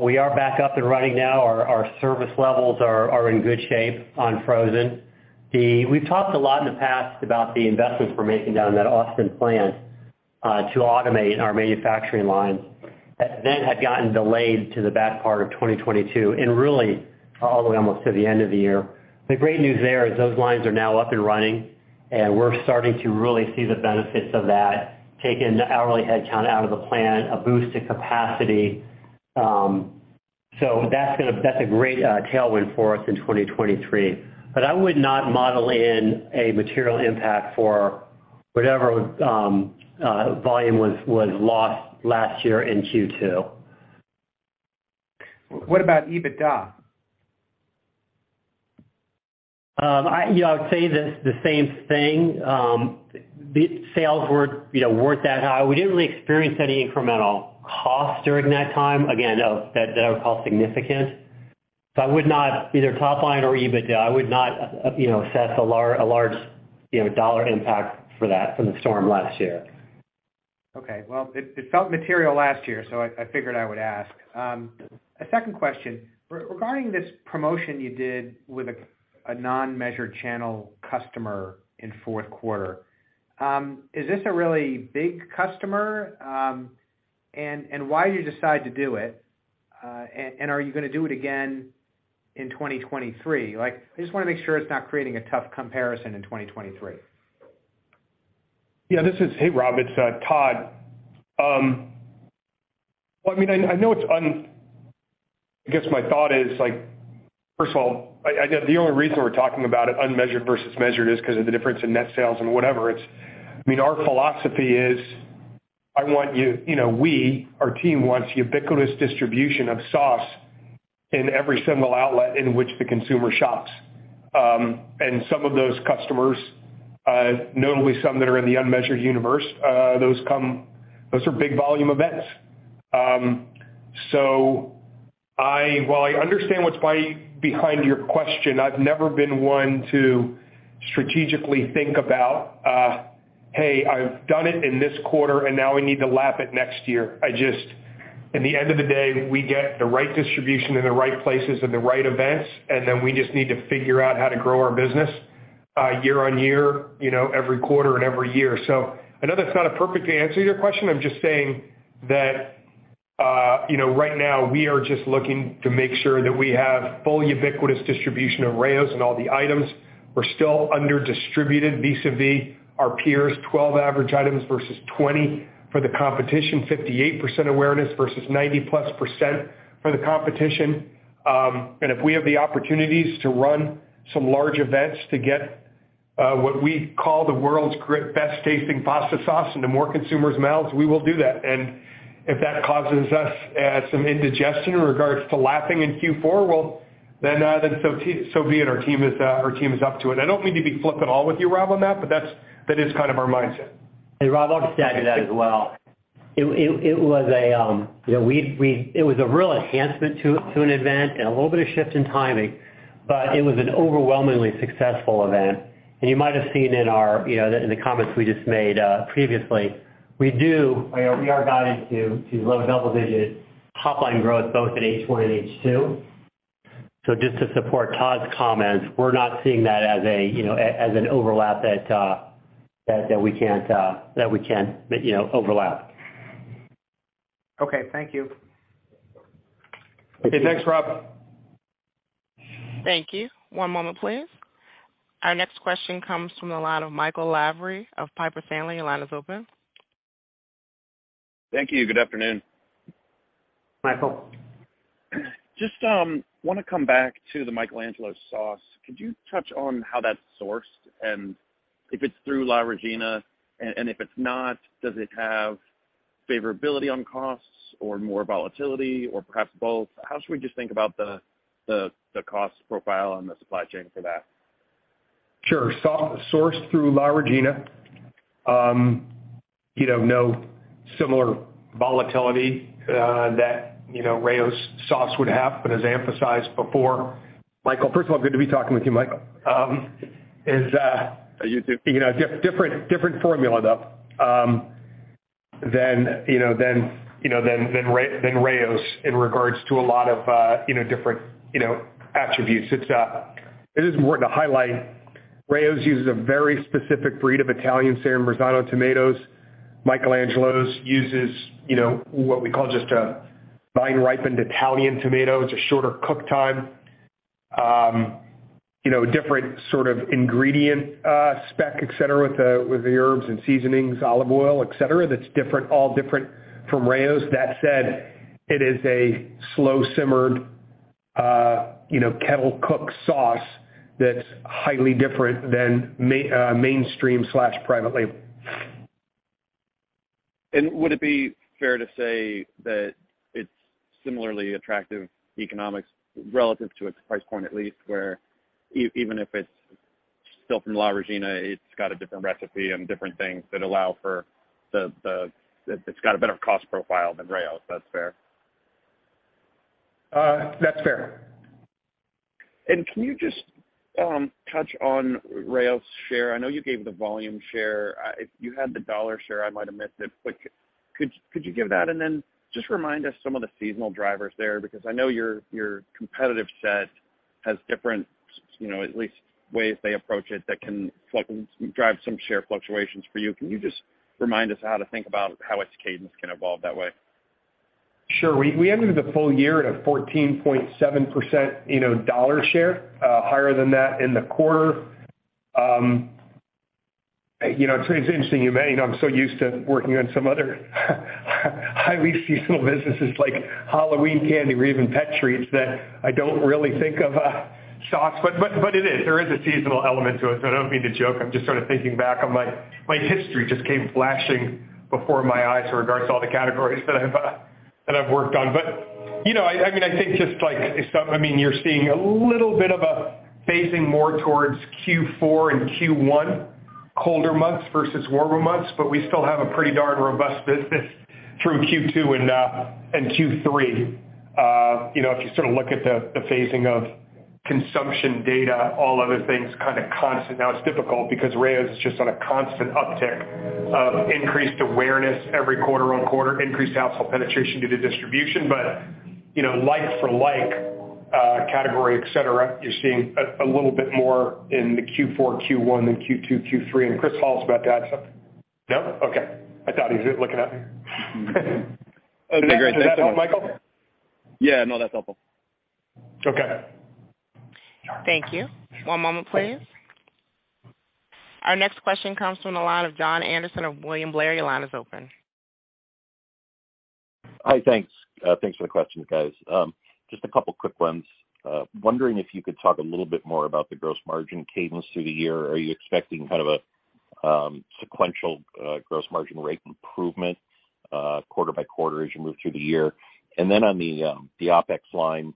We are back up and running now. Our service levels are in good shape on frozen. We've talked a lot in the past about the investments we're making down in that Austin plant, to automate our manufacturing lines. That then had gotten delayed to the back part of 2022 and really all the way almost to the end of the year. The great news there is those lines are now up and running, and we're starting to really see the benefits of that, taking the hourly headcount out of the plant, a boost in capacity. So that's a great tailwind for us in 2023. I would not model in a material impact for whatever, volume was lost last year in Q2. What about EBITDA? I, you know, I would say the same thing. The sales weren't, you know, weren't that high. We didn't really experience any incremental cost during that time. Again, that I would call significant. I would not, either top line or EBITDA, I would not, you know, assess a large, you know, dollar impact for that from the storm last year. Okay. Well, it felt material last year, so I figured I would ask. A second question. Regarding this promotion you did with a non-measured channel customer in Q4, is this a really big customer? And why did you decide to do it? And are you gonna do it again in 2023? Like, I just wanna make sure it's not creating a tough comparison in 2023. Yeah, hey, Rob, it's Todd. Well, I mean, I know it's I guess my thought is, like, first of all, I know the only reason we're talking about it, unmeasured versus measured, is 'cause of the difference in net sales and whatever. I mean, our philosophy is I want you know, we, our team, wants ubiquitous distribution of sauce in every single outlet in which the consumer shops. Some of those customers, notably some that are in the unmeasured universe, those are big volume events. I- while I- understand behind your question, I've never been one to strategically think about, hey, I've done it in this quarter, and now we need to lap it next year. At the end of the day, we get the right distribution in the right places and the right events, and then we just need to figure out how to grow our business, year-on-year, you know, every quarter and every year. I know that's not a perfect answer to your question. I'm just saying that, you know, right now we are just looking to make sure that we have full ubiquitous distribution of Rao's and all the items. We're still under-distributed vis-a-vis our peers, 12 average items versus 20 for the competition, 58% awareness versus 90%+ for the competition. If we have the opportunities to run some large events to get what we call the world's great best-tasting pasta sauce into more consumers' mouths, we will do that. If that causes us some indigestion in regards to lapping in Q4, well then, so be it. Our team is up to it. I don't mean to be flippant at all with you, Rob, on that, but that is kind of our mindset. Rob, I'll just add to that as well. It was a, you know, a real enhancement to an event and a little bit of shift in timing, but it was an overwhelmingly successful event. You might have seen in our, you know, the, in the comments we just made previously, we do, you know, we are guided to low double-digit top line growth both at H1 and H2. Just to support Todd's comments, we're not seeing that as a, you know, as an overlap that we can't, you know, overlap. Okay, thank you. Okay, thanks, Rob. Thank you. One moment, please. Our next question comes from the line of Michael Lavery of Piper Sandler. Your line is open. Thank you. Good afternoon. Michael. Just wanna come back to the Michael Angelo's sauce. Could you touch on how that's sourced? If it's through La Regina, and if it's not, does it have favorability on costs or more volatility or perhaps both? How should we just think about the cost profile and the supply chain for that? Sure. sourced through La Regina. you know, no similar volatility, that, you know, Rao's sauce would have, but as emphasized before. Michael, first of all, good to be talking with you, Michael. You too. You know, different formula though, than, you know, than Rao's in regards to a lot of, you know, different, you know, attributes. It's, it is important to highlight Rao's uses a very specific breed of Italian San Marzano tomatoes. Michael Angelo's uses, you know, what we call just a vine-ripened Italian tomato. It's a shorter cook time. You know, different sort of ingredient spec, et cetera, with the herbs and seasonings, olive oil, et cetera, that's different, all different from Rao's. That said, it is a slow-simmered, you know, kettle-cooked sauce that's highly different than mainstream/private label. Would it be fair to say that it's similarly attractive economics relative to its price point, at least, where even if it's still from La Regina, it's got a different recipe and different things that allow for the it's got a better cost profile than Rao's. That's fair? That's fair. Can you just touch on Rao's share? I know you gave the volume share. If you had the dollar share, I might have missed it. Could you give that? Then just remind us some of the seasonal drivers there, because I know your competitive set has different, you know, at least ways they approach it that can drive some share fluctuations for you. Can you just remind us how to think about how its cadence can evolve that way? Sure. We ended the full year at a 14.7%, you know, dollar share, higher than that in the quarter. You know, it's interesting you mention, I'm so used to working on some other highly seasonal businesses like Halloween candy or even pet treats that I don't really think of sauce. It is, there is a seasonal element to it, so I don't mean to joke. I'm just sort of thinking back on my history just came flashing before my eyes in regards to all the categories that I've worked on. You know, I mean, I think just like some, I mean, you're seeing a little bit of a phasing more towards Q4 and Q1, colder months versus warmer months, but we still have a pretty darn robust business through Q2 and Q3. You know, if you sort of look at the phasing of consumption data, all other things kinda constant. Now, it's difficult because Rao's is just on a constant uptick of increased awareness every quarter-on-quarter, increased household penetration due to distribution. You know, like for like category, et cetera, you're seeing a little bit more in the Q4, Q1 than Q2, Q3. Chris Hall's about to add something. No? Okay. I thought he was looking at me. Okay, great. Does that help, Michael? Yeah, no, that's helpful. Okay. Thank you. One moment, please. Our next question comes from the line of Jon Andersen of William Blair. Your line is open. Hi. Thanks, thanks for the questions, guys. Just a couple quick ones. Wondering if you could talk a little bit more about the gross margin cadence through the year. Are you expecting kind of a sequential gross margin rate improvement quarter-by-quarter as you move through the year? On the OpEx line,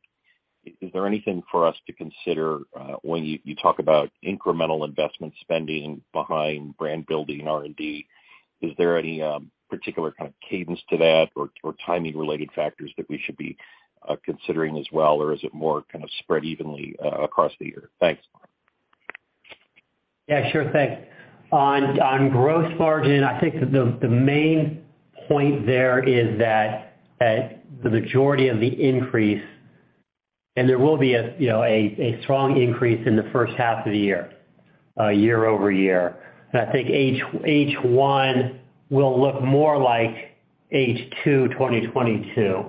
is there anything for us to consider when you talk about incremental investment spending behind brand building, R&D? Is there any particular kind of cadence to that or timing related factors that we should be considering as well? Is it more kind of spread evenly across the year? Thanks. Yeah, sure. Thanks. On gross margin, I think the main point there is that the majority of the increase, and there will be a, you know, a strong increase in the first half of the year-over-year. I think H1 will look more like H2 2022.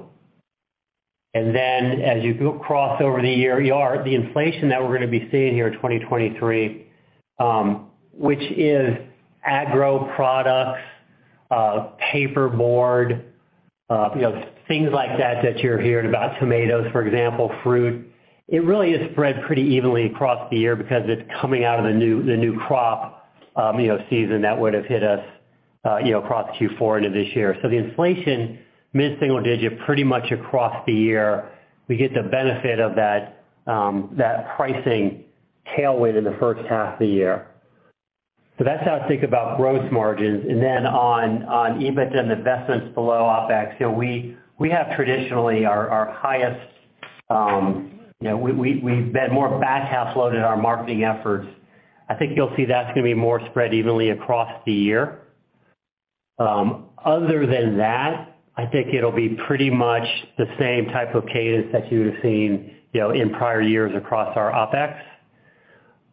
As you go cross over the year, the inflation that we're gonna be seeing here in 2023, which is agro products, paperboard, you know, things like that that you're hearing about tomatoes, for example, fruit, it really is spread pretty evenly across the year because it's coming out of the new crop, you know, season that would've hit us, you know, across Q4 into this year. The inflation mid-single digit pretty much across the year. We get the benefit of that pricing tailwind in the first half of the year. That's how I think about gross margins. On EBIT and investments below OpEx, you know, we have traditionally our highest, you know, we've been more back half loaded our marketing efforts. I think you'll see that's gonna be more spread evenly across the year. Other than that, I think it'll be pretty much the same type of cadence that you would've seen, you know, in prior years across our OpEx,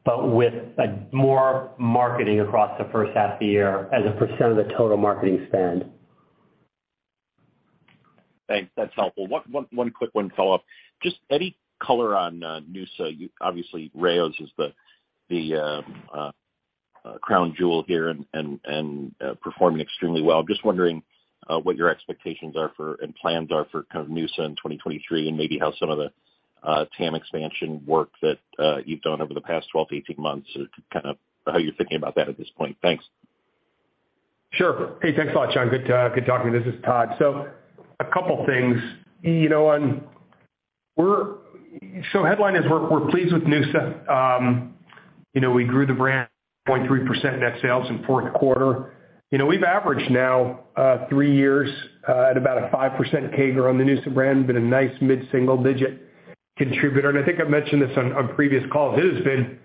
but with a more marketing across the first half of the year as a percent of the total marketing spend. Thanks. That's helpful. One quick one follow-up. Just any color on noosa. Obviously Rao's is the crown jewel here and performing extremely well. Just wondering what your expectations are for, and plans are for kind of noosa in 2023, and maybe how some of the TAM expansion work that you've done over the past 12 months-18 months, kind of how you're thinking about that at this point? Thanks. Sure. Hey, thanks a lot, Jon. Good talking to you. This is Todd. A couple things. You know, headline is we're pleased with noosa. You know, we grew the brand 0.3% net sales in Q4. You know, we've averaged now, 3 years, at about a 5% CAGR on the noosa brand, been a nice mid-single digit contributor. And I think I've mentioned this on previous calls. It has been,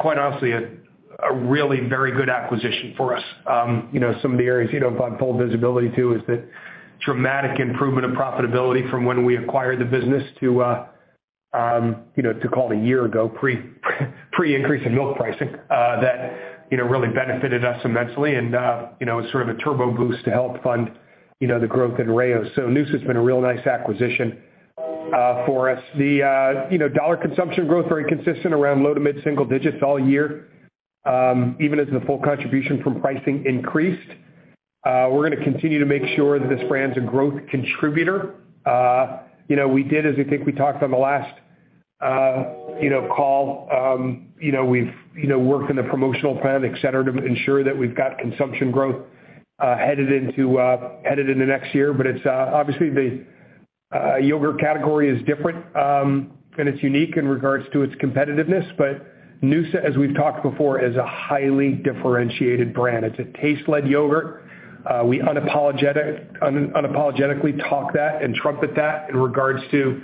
quite honestly, a really very good acquisition for us. You know, some of the areas, you know, if I have full visibility to, is the dramatic improvement of profitability from when we acquired the business to, you know, to call it a year ago, pre-increase in milk pricing, that, you know, really benefited us immensely and, you know, sort of a turbo boost to help fund, you know, the growth in Rao's. noosa's been a real nice acquisition for us. The, you know, dollar consumption growth very consistent around low to mid-single digits all year, even as the full contribution from pricing increased. We're gonna continue to make sure that this brand's a growth contributor. you know, we did, as I think we talked on the last, you know, call, you know, we've, you know, worked in the promotional plan, et cetera, to ensure that we've got consumption growth, headed into, headed into next year. It's, obviously the, yogurt category is different, and it's unique in regards to its competitiveness. noosa, as we've talked before, is a highly differentiated brand. It's a taste-led yogurt. we unapologetically talk that and trumpet that in regards to,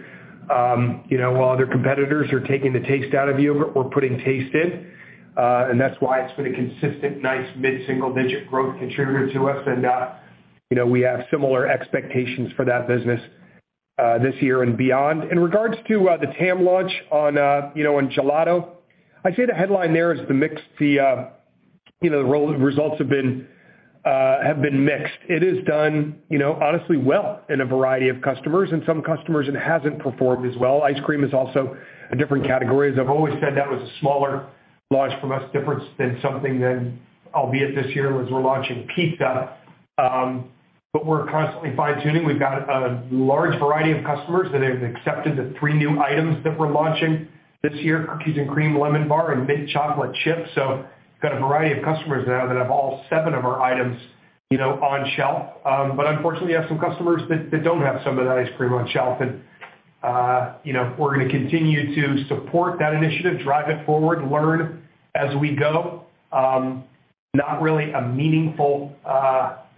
you know, while other competitors are taking the taste out of yogurt, we're putting taste in. That's why it's been a consistent nice mid-single digit growth contributor to us. you know, we have similar expectations for that business, this year and beyond. In regards to, you know, the TAM launch on, you know, on gelato, I'd say the headline there is the mix, the, you know, results have been mixed. It has done, you know, honestly well in a variety of customers, and some customers, it hasn't performed as well. Ice cream is also a different category. As I've always said, that was a smaller launch from us, different than something than, albeit this year as we're launching pizza. We're constantly fine-tuning. We've got a large variety of customers that have accepted the three new items that we're launching this year, cookies and cream, lemon bar, and mint chocolate chip. Got a variety of customers now that have all seven of our items, you know, on shelf. Unfortunately, have some customers that don't have some of that ice cream on shelf. You know, we're gonna continue to support that initiative, drive it forward, learn as we go. Not really a meaningful,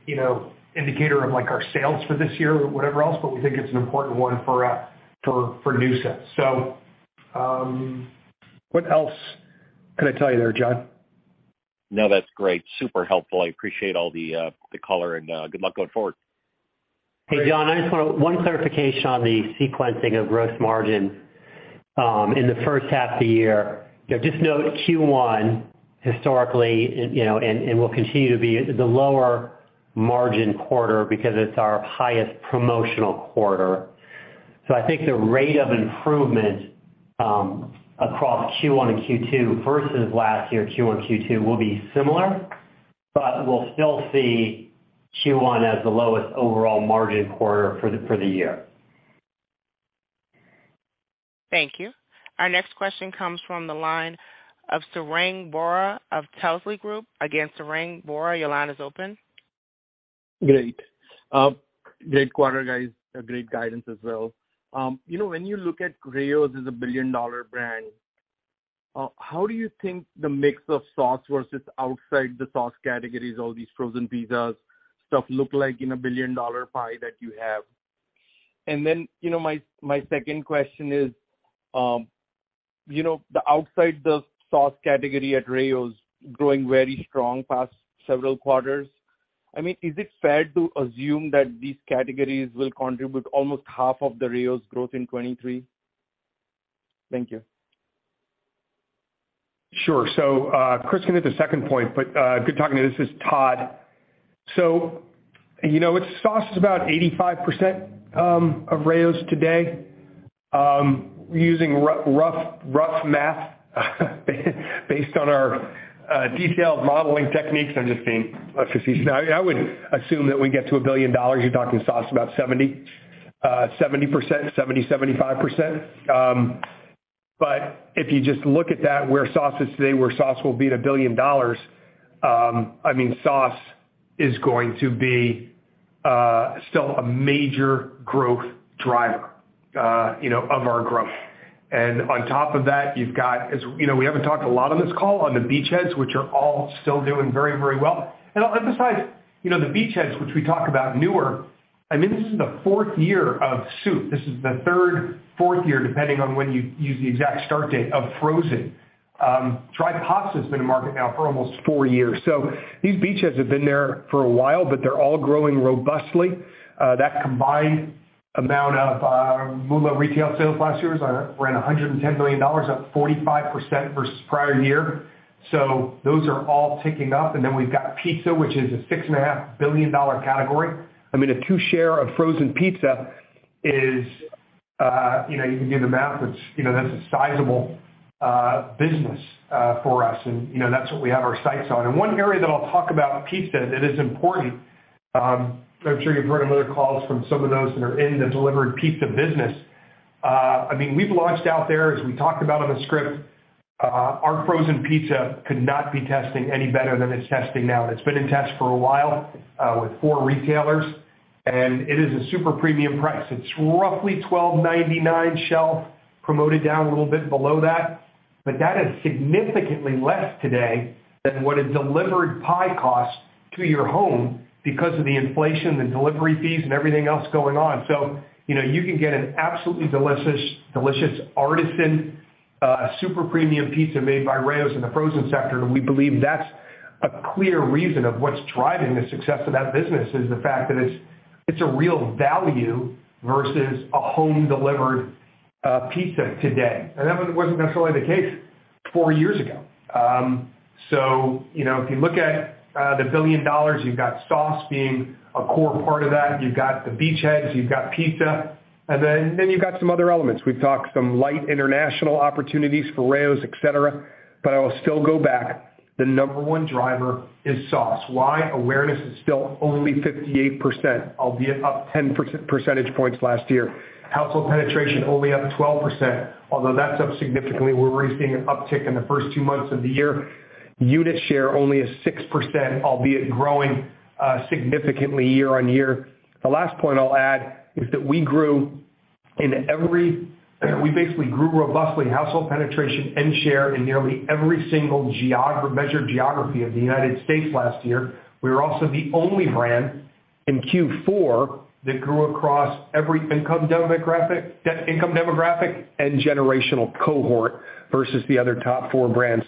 you know, indicator of, like, our sales for this year or whatever else, but we think it's an important one for noosa. What else can I tell you there, Jon? No, that's great. Super helpful. I appreciate all the the color and good luck going forward. Hey, Jon, I just want one clarification on the sequencing of gross margin in the 1st half of the year. You know, just note Q1 historically and, you know, and will continue to be the lower margin quarter because it's our highest promotional quarter. I think the rate of improvement across Q1 and Q2 versus last year Q1, Q2 will be similar, but we'll still see Q1 as the lowest overall margin quarter for the year. Thank you. Our next question comes from the line of Sarang Vora of Telsey Group. Again, Sarang Vora, your line is open. Great. great quarter, guys. A great guidance as well. You know, when you look at Rao's as a billion-dollar brand, how do you think the mix of sauce versus outside the sauce categories, all these frozen pizzas stuff look like in a billion-dollar pie that you have? You know, my second question is, you know, the outside the sauce category at Rao's growing very strong past several quarters. I mean, is it fair to assume that these categories will contribute almost half of the Rao's growth in 2023? Thank you. Sure. Chris can hit the second point, but good talking to you. This is Todd. You know, sauce is about 85% of Rao's today. Using rough math based on our detailed modeling techniques, I'm just being facetious. No, I would assume that we get to $1 billion. You're talking sauce about 70%-75%. If you just look at that, where sauce is today, where sauce will be at $1 billion, I mean, sauce is going to be still a major growth driver, you know, of our growth. On top of that, you've got, as, you know, we haven't talked a lot on this call on the beachheads, which are all still doing very, very well. I'll emphasize, you know, the beachheads, which we talk about newer, I mean, this is the 4th year of soup. This is the 3rd, 4th year, depending on when you use the exact start date of frozen. Dry pasta has been in market now for almost 4 years. These beachheads have been there for a while, but they're all growing robustly. That combined amount of move on retail sales last year was around $110 million, up 45% versus prior year. Those are all ticking up. We've got pizza, which is a $6.5 billion category. I mean, a two share of frozen pizza is, you know, you can do the math. It's, you know, that's a sizable business for us and, you know, that's what we have our sights on. One area that I'll talk about pizza that is important, I'm sure you've heard on other calls from some of those that are in the delivered pizza business. I mean, we've launched out there, as we talked about on the script, our frozen pizza could not be testing any better than it's testing now. It's been in test for a while, with four retailers, and it is a super premium price. It's roughly $12.99 shelf, promoted down a little bit below that. That is significantly less today than what a delivered pie costs to your home because of the inflation, the delivery fees, and everything else going on. You know, you can get an absolutely delicious artisan, super premium pizza made by Rao's in the frozen sector, and we believe that's a clear reason of what's driving the success of that business, is the fact that it's a real value versus a home-delivered pizza today. That wasn't necessarily the case four years ago. You know, if you look at the $1 billion, you've got sauce being a core part of that. You've got the beachheads, you've got pizza, then you've got some other elements. We've talked some light international opportunities for Rao's, et cetera. I will still go back. The number one driver is sauce. Why? Awareness is still only 58%, albeit up 10 percentage points last year. Household penetration only up 12%, although that's up significantly. We're already seeing an uptick in the first two months of the year. Unit share only is 6%, albeit growing significantly year-on-year. The last point I'll add is that we basically grew robustly household penetration and share in nearly every single measured geography of the United States last year. We were also the only brand in Q4 that grew across every income demographic, and generational cohort versus the other top four brands.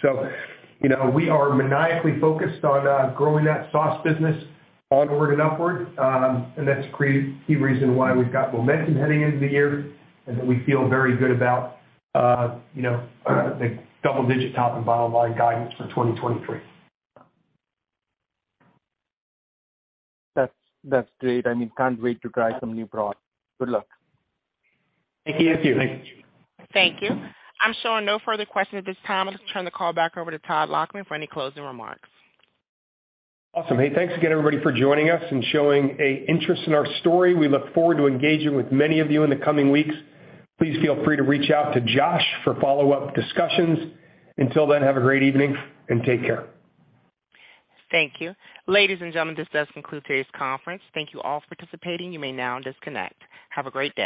You know, we are maniacally focused on growing that sauce business onward and upward. That's a key reason why we've got momentum heading into the year and that we feel very good about, you know, the double-digit top and bottom line guidance for 2023. That's great. I mean, can't wait to try some new products. Good luck. Thank you. Thank you. Thank you. I'm showing no further questions at this time. I'll just turn the call back over to Todd Lachman for any closing remarks. Awesome. Hey, thanks again, everybody, for joining us and showing a interest in our story. We look forward to engaging with many of you in the coming weeks. Please feel free to reach out to Josh for follow-up discussions. Until then, have a great evening and take care. Thank you. Ladies and gentlemen, this does conclude today's conference. Thank you all for participating. You may now disconnect. Have a great day.